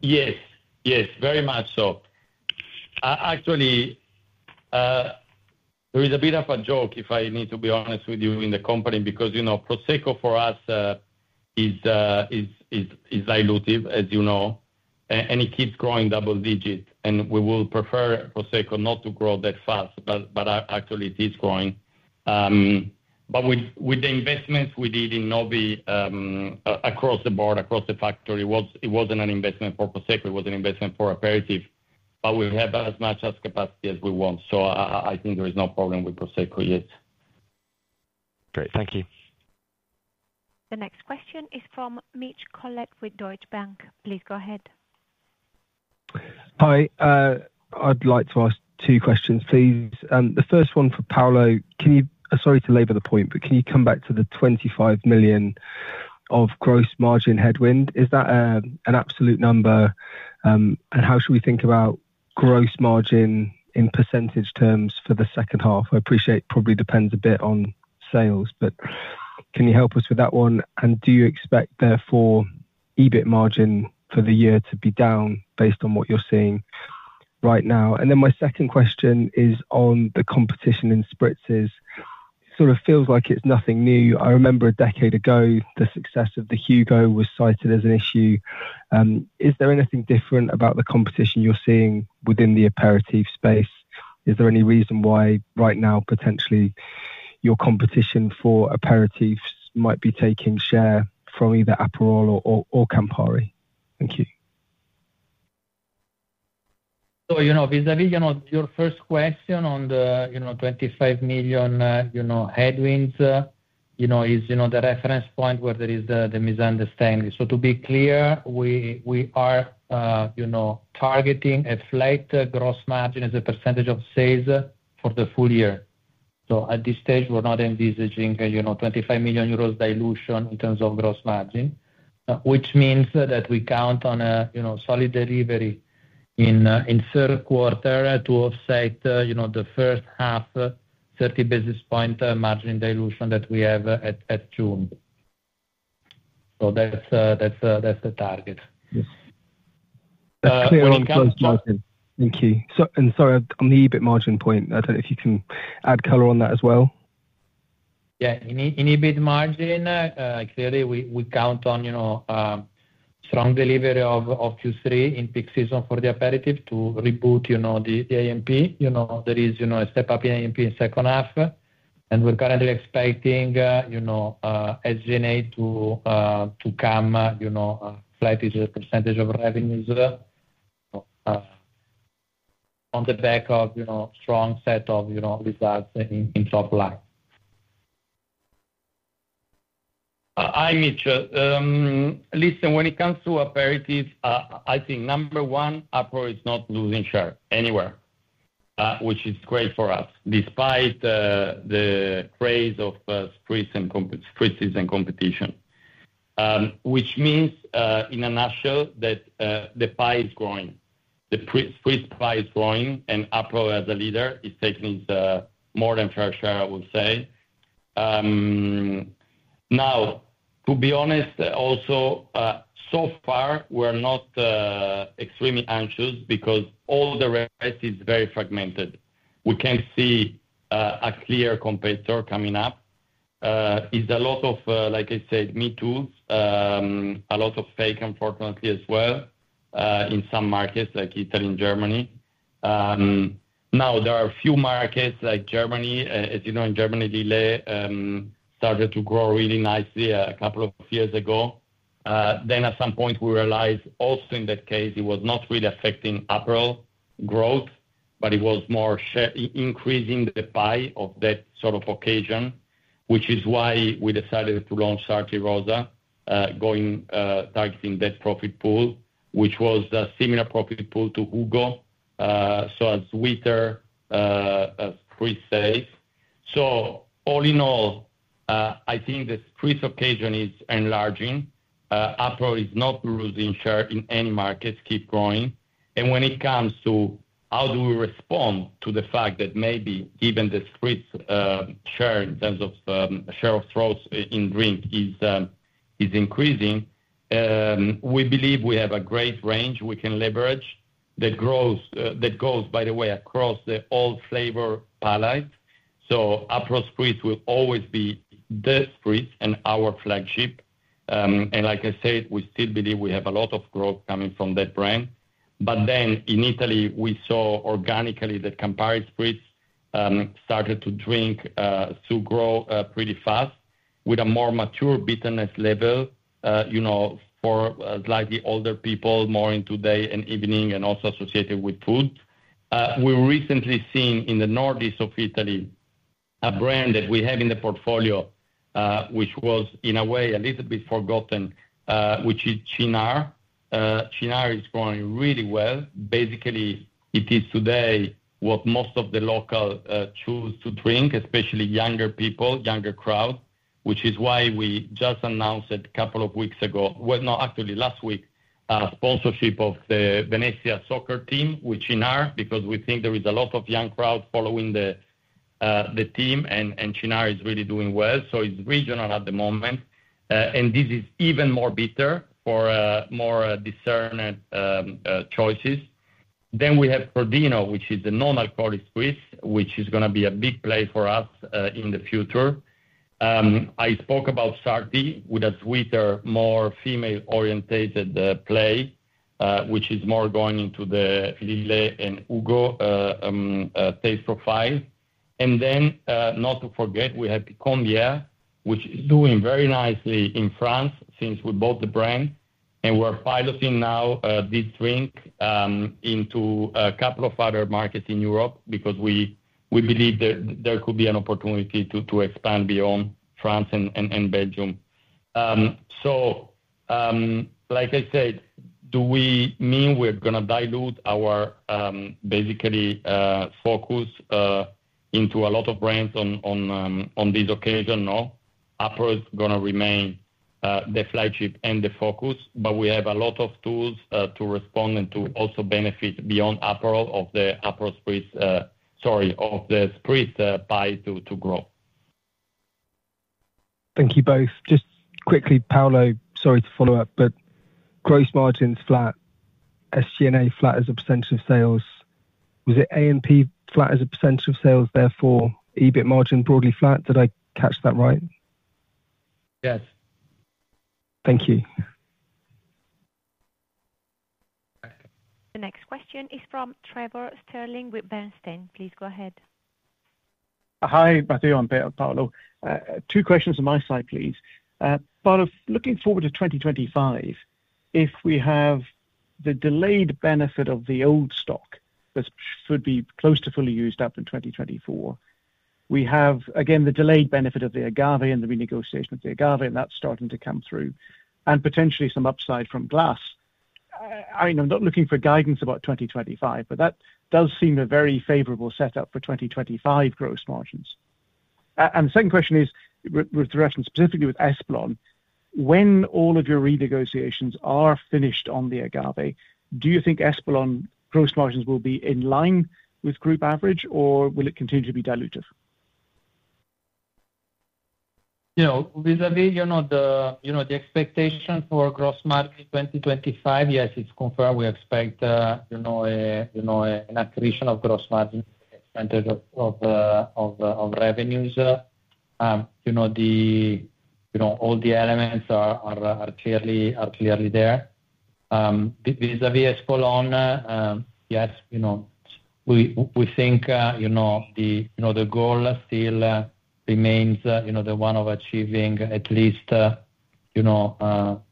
Yes. Yes. Very much so. Actually, there is a bit of a joke, if I need to be honest with you, in the company because Prosecco for us is dilutive, as you know, and it keeps growing double-digit. We would prefer Prosecco not to grow that fast, but actually, it is growing. But with the investments we did in Novi across the board, across the factory, it wasn't an investment for Prosecco. It was an investment for aperitif. But we have as much capacity as we want. So I think there is no problem with Prosecco yet. Great. Thank you. The next question is from Mitch Collett with Deutsche Bank. Please go ahead. Hi. I'd like to ask two questions, please. The first one for Paolo. Sorry to labor the point, but can you come back to the 25 million of gross margin headwind? Is that an absolute number? And how should we think about gross margin in percentage terms for the second half? I appreciate it probably depends a bit on sales, but can you help us with that one? Do you expect, therefore, EBIT margin for the year to be down based on what you're seeing right now? Then my second question is on the competition in spritzes. It sort of feels like it's nothing new. I remember a decade ago, the success of the Hugo was cited as an issue. Is there anything different about the competition you're seeing within the aperitif space? Is there any reason why right now, potentially, your competition for aperitifs might be taking share from either Aperol or CA&Pari? Thank you. Vis-à-vis your first question on the 25 million headwinds, it's the reference point where there is the misunderstanding. To be clear, we are targeting a flat gross margin as a percentage of sales for the full year. So at this stage, we're not envisaging 25 million euros dilution in terms of gross margin, which means that we count on a solid delivery in third quarter to offset the first half 30 basis points margin dilution that we have at June. So that's the target. Yes. Clearly, in terms of margin. Thank you. And sorry, on the EBIT margin point, I don't know if you can add color on that as well. Yeah. In EBIT margin, clearly, we count on strong delivery of Q3 in peak season for the aperitif to reboot the A&P. There is a step-up in A&P in second half. And we're currently expecting SG&A to come flat as a percentage of revenues on the back of a strong set of results in top line. Hi, Mitch. Listen, when it comes to aperitif, I think number one, Aperol is not losing share anywhere, which is great for us despite the craze of spritzes and competition, which means in a nutshell that the pie is growing. The spritz pie is growing. Aperol, as a leader, is taking its more than fair share, I would say. Now, to be honest, also so far, we're not extremely anxious because all the rest is very fragmented. We can't see a clear competitor coming up. It's a lot of, like I said, me too, a lot of fake, unfortunately, as well in some markets like Italy and Germany. Now, there are a few markets like Germany. As you know, in Germany, Lillet started to grow really nicely a couple of years ago. Then at some point, we realized also in that case, it was not really affecting Aperol growth, but it was more increasing the pie of that sort of occasion, which is why we decided to launch Sarti Rosa, targeting that profit pool, which was a similar profit pool to Hugo, so as winter spritz days. So all in all, I think the spritz occasion is enlarging. Aperol is not losing share in any markets. Keep growing. And when it comes to how do we respond to the fact that maybe even the spritz share in terms of share of throat in drink is increasing, we believe we have a great range we can leverage that goes, by the way, across the all-flavor palette. So Aperol spritz will always be the spritz and our flagship. And like I said, we still believe we have a lot of growth coming from that brand. But then in Italy, we saw organically that CA&Pari spritz started to drink, to grow pretty fast with a more mature bitterness level for slightly older people, more into day and evening, and also associated with food. We recently seen in the northeast of Italy a brand that we have in the portfolio, which was in a way a little bit forgotten, which is Cynar. Cynar is growing really well. Basically, it is today what most of the local choose to drink, especially younger people, younger crowd, which is why we just announced a couple of weeks ago well, no, actually, last week, sponsorship of the Venezia soccer team, which Cynar, because we think there is a lot of young crowd following the team, and Cynar is really doing well. So it's regional at the moment. And this is even more bitter for more discerning choices. Then we have Crodino, which is a non-alcoholic spritz, which is going to be a big play for us in the future. I spoke about Sarti with a sweeter, more female-oriented play, which is more going into the Lillet and Hugo taste profile. And then not to forget, we have Picon Bière, which is doing very nicely in France since we bought the brand. And we're piloting now this drink into a couple of other markets in Europe because we believe there could be an opportunity to expand beyond France and Belgium. So like I said, do we mean we're going to dilute our basically focus into a lot of brands on this occasion? No. Aperol is going to remain the flagship and the focus. But we have a lot of tools to respond and to also benefit beyond Aperol from the Aperol Spritz sorry, from the Spritz vibe to grow. Thank you both. Just quickly, Paolo, sorry to follow up, but gross margins flat, SG&A flat as a percentage of sales. Was it A&P flat as a percentage of sales, therefore EBIT margin broadly flat? Did I catch that right? Yes. Thank you. The next question is from Trevor Stirling with Bernstein. Please go ahead. Hi, Matteo. I'm better with Paolo. Two questions on my side, please. Paolo, looking forward to 2025, if we have the delayed benefit of the old stock that should be close to fully used up in 2024, we have, again, the delayed benefit of the agave and the renegotiation of the agave, and that's starting to come through, and potentially some upside from glass. I mean, I'm not looking for guidance about 2025, but that does seem a very favorable setup for 2025 gross margins. And the second question is with direction specifically with Espolòn. When all of your renegotiations are finished on the agave, do you think Espolòn gross margins will be in line with group average, or will it continue to be dilutive? Yeah. Vis-à-vis the expectation for gross margin 2025, yes, it's confirmed. We expect an accretion of gross margin in terms of revenues. All the elements are clearly there. Vis-à-vis Espolòn, yes, we think the goal still remains the one of achieving at least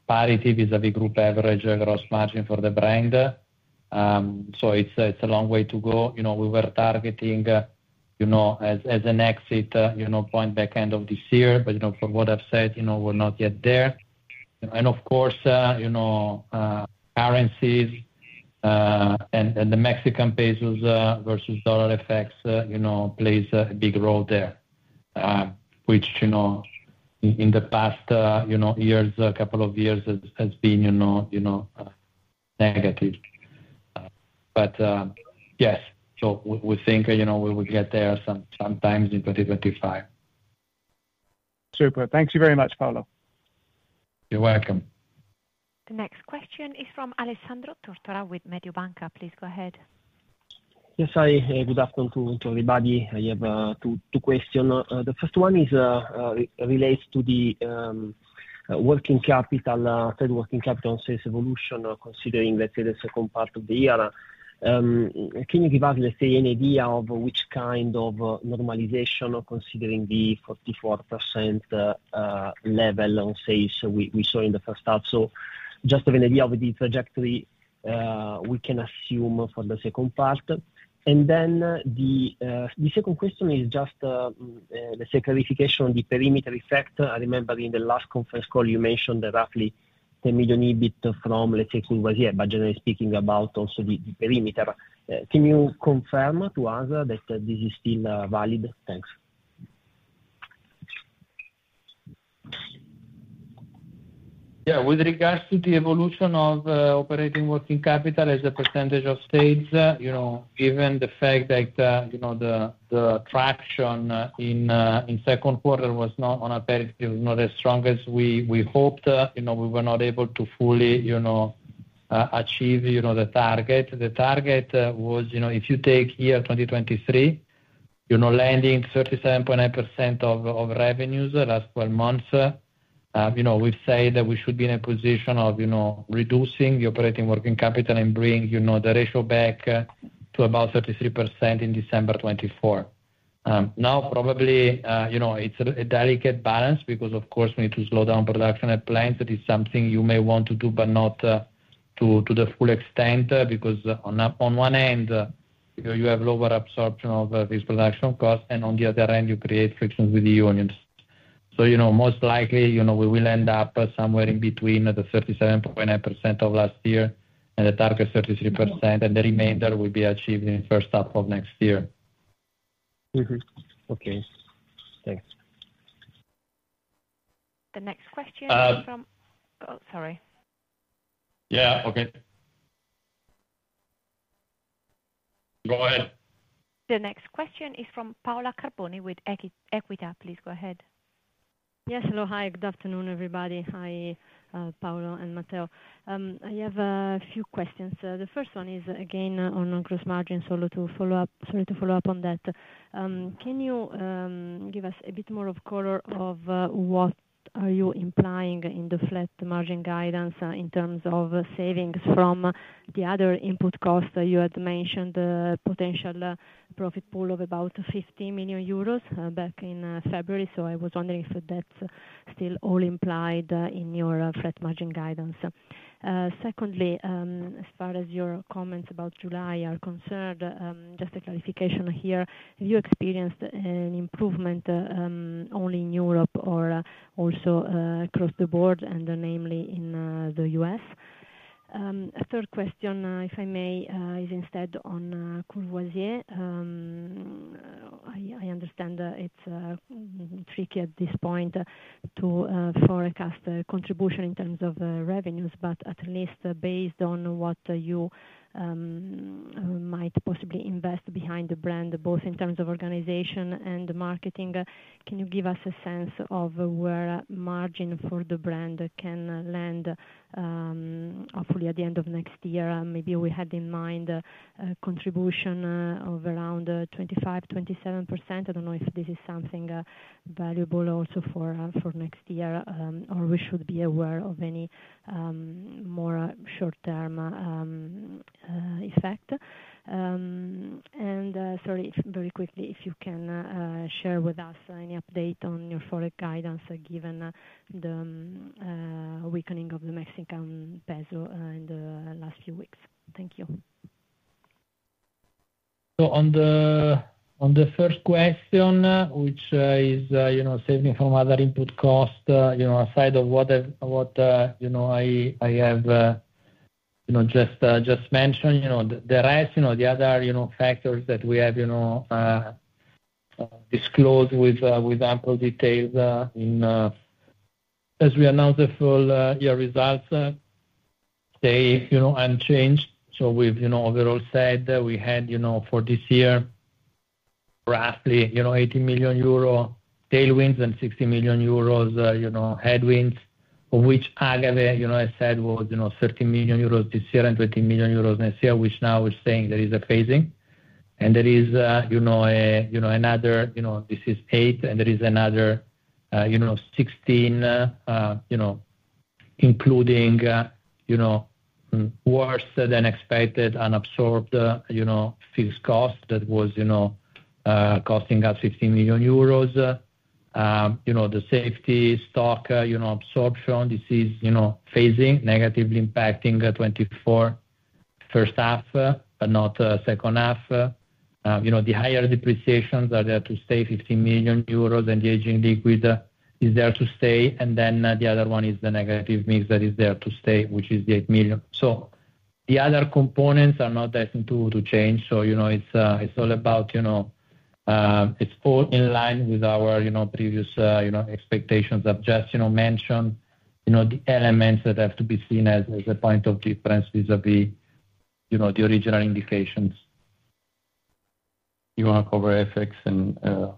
parity vis-à-vis group average gross margin for the brand. So it's a long way to go. We were targeting as an exit point back end of this year, but from what I've said, we're not yet there. And of course, currencies and the Mexican pesos versus dollar effects plays a big role there, which in the past years, a couple of years, has been negative. But yes, so we think we will get there sometime in 2025. Super. Thank you very much, Paolo. You're welcome. The next question is from Alessandro Tortora with Mediobanca. Please go ahead. Yes, hi. Good afternoon to everybody. I have two questions. The first one relates to the working capital, overall working capital on sales evolution, considering, let's say, the second part of the year. Can you give us, let's say, any idea of which kind of normalization considering the 44% level on sales we saw in the first half? So just an idea of the trajectory we can assume for the second part. And then the second question is just, let's say, clarification on the perimeter effect. I remember in the last conference call, you mentioned roughly 10 million EBIT from, let's say, Courvoisier, but generally speaking about also the perimeter. Can you confirm to us that this is still valid? Thanks. Yeah. With regards to the evolution of operating working capital as a percentage of sales, given the fact that the traction in second quarter was not on aperitif, not as strong as we hoped, we were not able to fully achieve the target. The target was, if you take year 2023, landing 37.9% of revenues last 12 months, we've said that we should be in a position of reducing the operating working capital and bringing the ratio back to about 33% in December 2024. Now, probably it's a delicate balance because, of course, we need to slow down production at plants. That is something you may want to do but not to the full extent because on one end, you have lower absorption of this production cost, and on the other end, you create frictions with the unions. So most likely, we will end up somewhere in between the 37.9% of last year and the target 33%, and the remainder will be achieved in the first half of next year. Okay. Thanks. The next question is from Paola Carboni with Equita. Please go ahead. Yes. Hello. Hi. Good afternoon, everybody. Hi, Paolo and Matteo. I have a few questions. The first one is, again, on gross margin. Sorry to follow up on that. Can you give us a bit more color on what you are implying in the flat margin guidance in terms of savings from the other input costs? You had mentioned potential profit pool of about 15 million euros back in February. So I was wondering if that's still all implied in your flat margin guidance. Secondly, as far as your comments about July are concerned, just a clarification here. Have you experienced an improvement only in Europe or also across the board, and namely in the US? Third question, if I may, is instead on Courvoisier. I understand it's tricky at this point to forecast contribution in terms of revenues, but at least based on what you might possibly invest behind the brand, both in terms of organization and marketing, can you give us a sense of where margin for the brand can land hopefully at the end of next year? Maybe we had in mind contribution of around 25%-27%. I don't know if this is something valuable also for next year or we should be aware of any more short-term effect. And sorry, very quickly, if you can share with us any update on your forecast guidance given the weakening of the Mexican peso in the last few weeks. Thank you. So on the first question, which is saving from other input costs, aside of what I have just mentioned, the rest, the other factors that we have disclosed with ample detail in. As we announce the full year results, they are unchanged. So we've overall said we had for this year roughly 18 million euro tailwinds and 60 million euros headwinds, of which agave, as I said, was 13 million euros this year and 20 million euros next year, which now we're saying there is a phasing. There is another this is 8, and there is another 16, including worse-than-expected unabsorbed fixed cost that was costing us 15 million euros. The safety stock absorption, this is phasing, negatively impacting 2024 first half but not second half. The higher depreciations are there to stay, 15 million euros, and the aging liquid is there to stay. Then the other one is the negative mix that is there to stay, which is the 8 million. So the other components are not destined to change. So it's all in line with our previous expectations of just mention the elements that have to be seen as a point of difference vis-à-vis the original indications. You want to cover FX and close.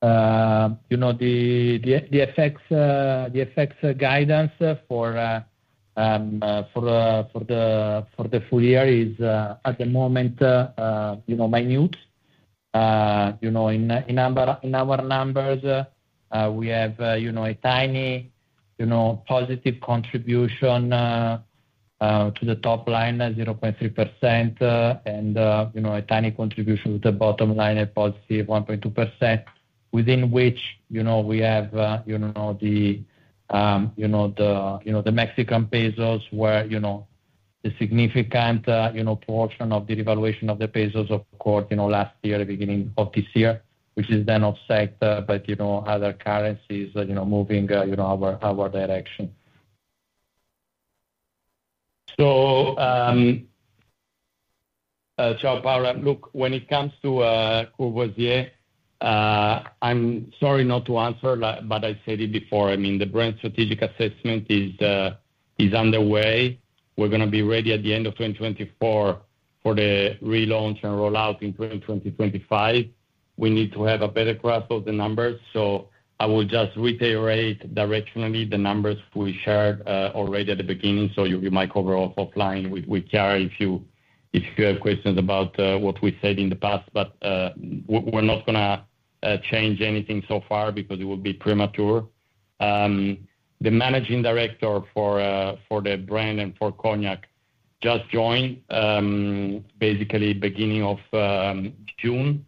The FX guidance for the full year is, at the moment, minute. In our numbers, we have a tiny positive contribution to the top line, 0.3%, and a tiny contribution to the bottom line, a positive 1.2%, within which we have the Mexican pesos where the significant portion of the revaluation of the pesos, of course, last year, the beginning of this year, which is then offset, but other currencies movingour direction. So Paola, look, when it comes to Courvoisier, I'm sorry not to answer, but I said it before. I mean, the brand strategic assessment is underway. We're going to be ready at the end of 2024 for the relaunch and rollout in 2025. We need to have a better grasp of the numbers. So I will just reiterate directionally the numbers we shared already at the beginning. So you might cover offline with Chiara if you have questions about what we said in the past. But we're not going to change anything so far because it would be premature. The managing director for the brand and for Cognac just joined, basically beginning of June.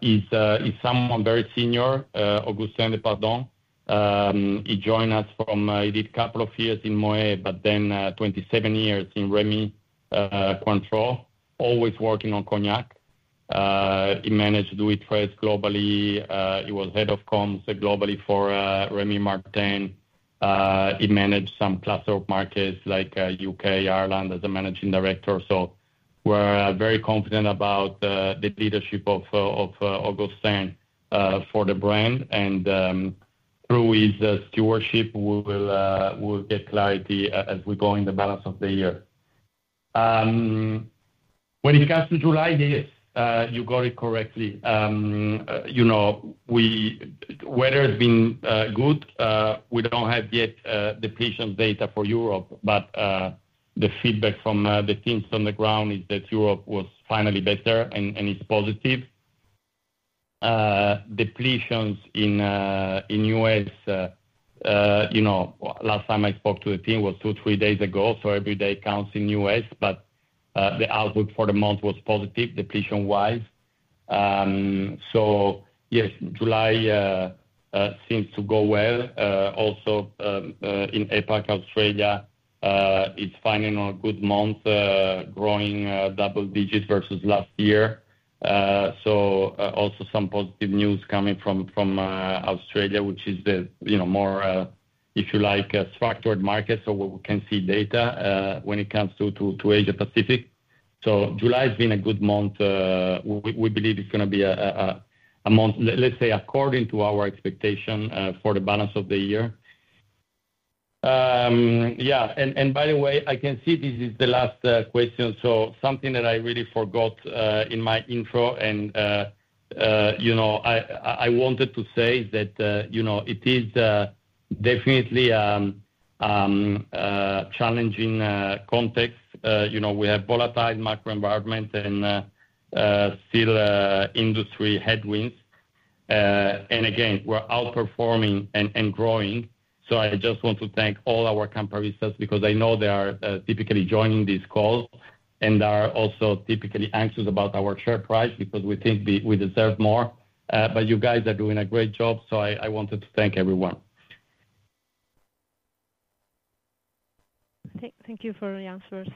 He's someone very senior, Augustin Depardon. He joined us. He did a couple of years in Moët, but then 27 years in Rémy Cointreau, always working on Cognac. He managed Louis XIII globally. He was head of comms globally for Rémy Martin. He managed some cluster of markets like UK, Ireland as a managing director. So we're very confident about the leadership of Augustin for the brand. And through his stewardship, we'll get clarity as we go in the balance of the year. When it comes to July, yes, you got it correctly. Weather has been good. We don't have yet depletion data for Europe, but the feedback from the teams on the ground is that Europe was finally better and is positive. Depletions in U.S., last time I spoke to the team was 2, 3 days ago, so every day counts in U.S., but the outlook for the month was positive, depletion-wise. So yes, July seems to go well. Also, in APAC, Australia is finally in a good month, growing double digits versus last year. So also some positive news coming from Australia, which is the more, if you like, structured market. So we can see data when it comes to Asia-Pacific. So July has been a good month. We believe it's going to be a month, let's say, according to our expectation for the balance of the year. Yeah. And by the way, I can see this is the last question. So something that I really forgot in my intro and I wanted to say is that it is definitely a challenging context. We have volatile macro environment and still industry headwinds. And again, we're outperforming and growing. So I just want to thank all our CA&Paristas because I know they are typically joining these calls and are also typically anxious about our share price because we think we deserve more. But you guys are doing a great job, so I wanted to thank everyone. Thank you for the answers.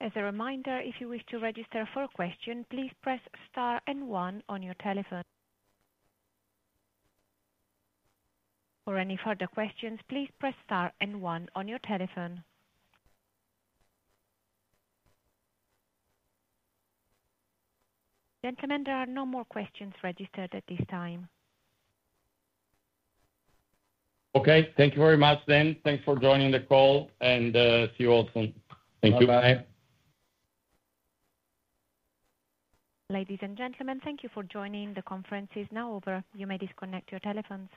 As a reminder, if you wish to register for a question, please press star and one on your telephone. For any further questions, please press star and one on your telephone. Gentlemen, there are no more questions registered at this time. Okay. Thank you very much, Dan. Thanks for joining the call, and see you all soon. Thank you. Bye-bye. Ladies and gentlemen, thank you for joining the conferences. Now, over, you may disconnect your telephones.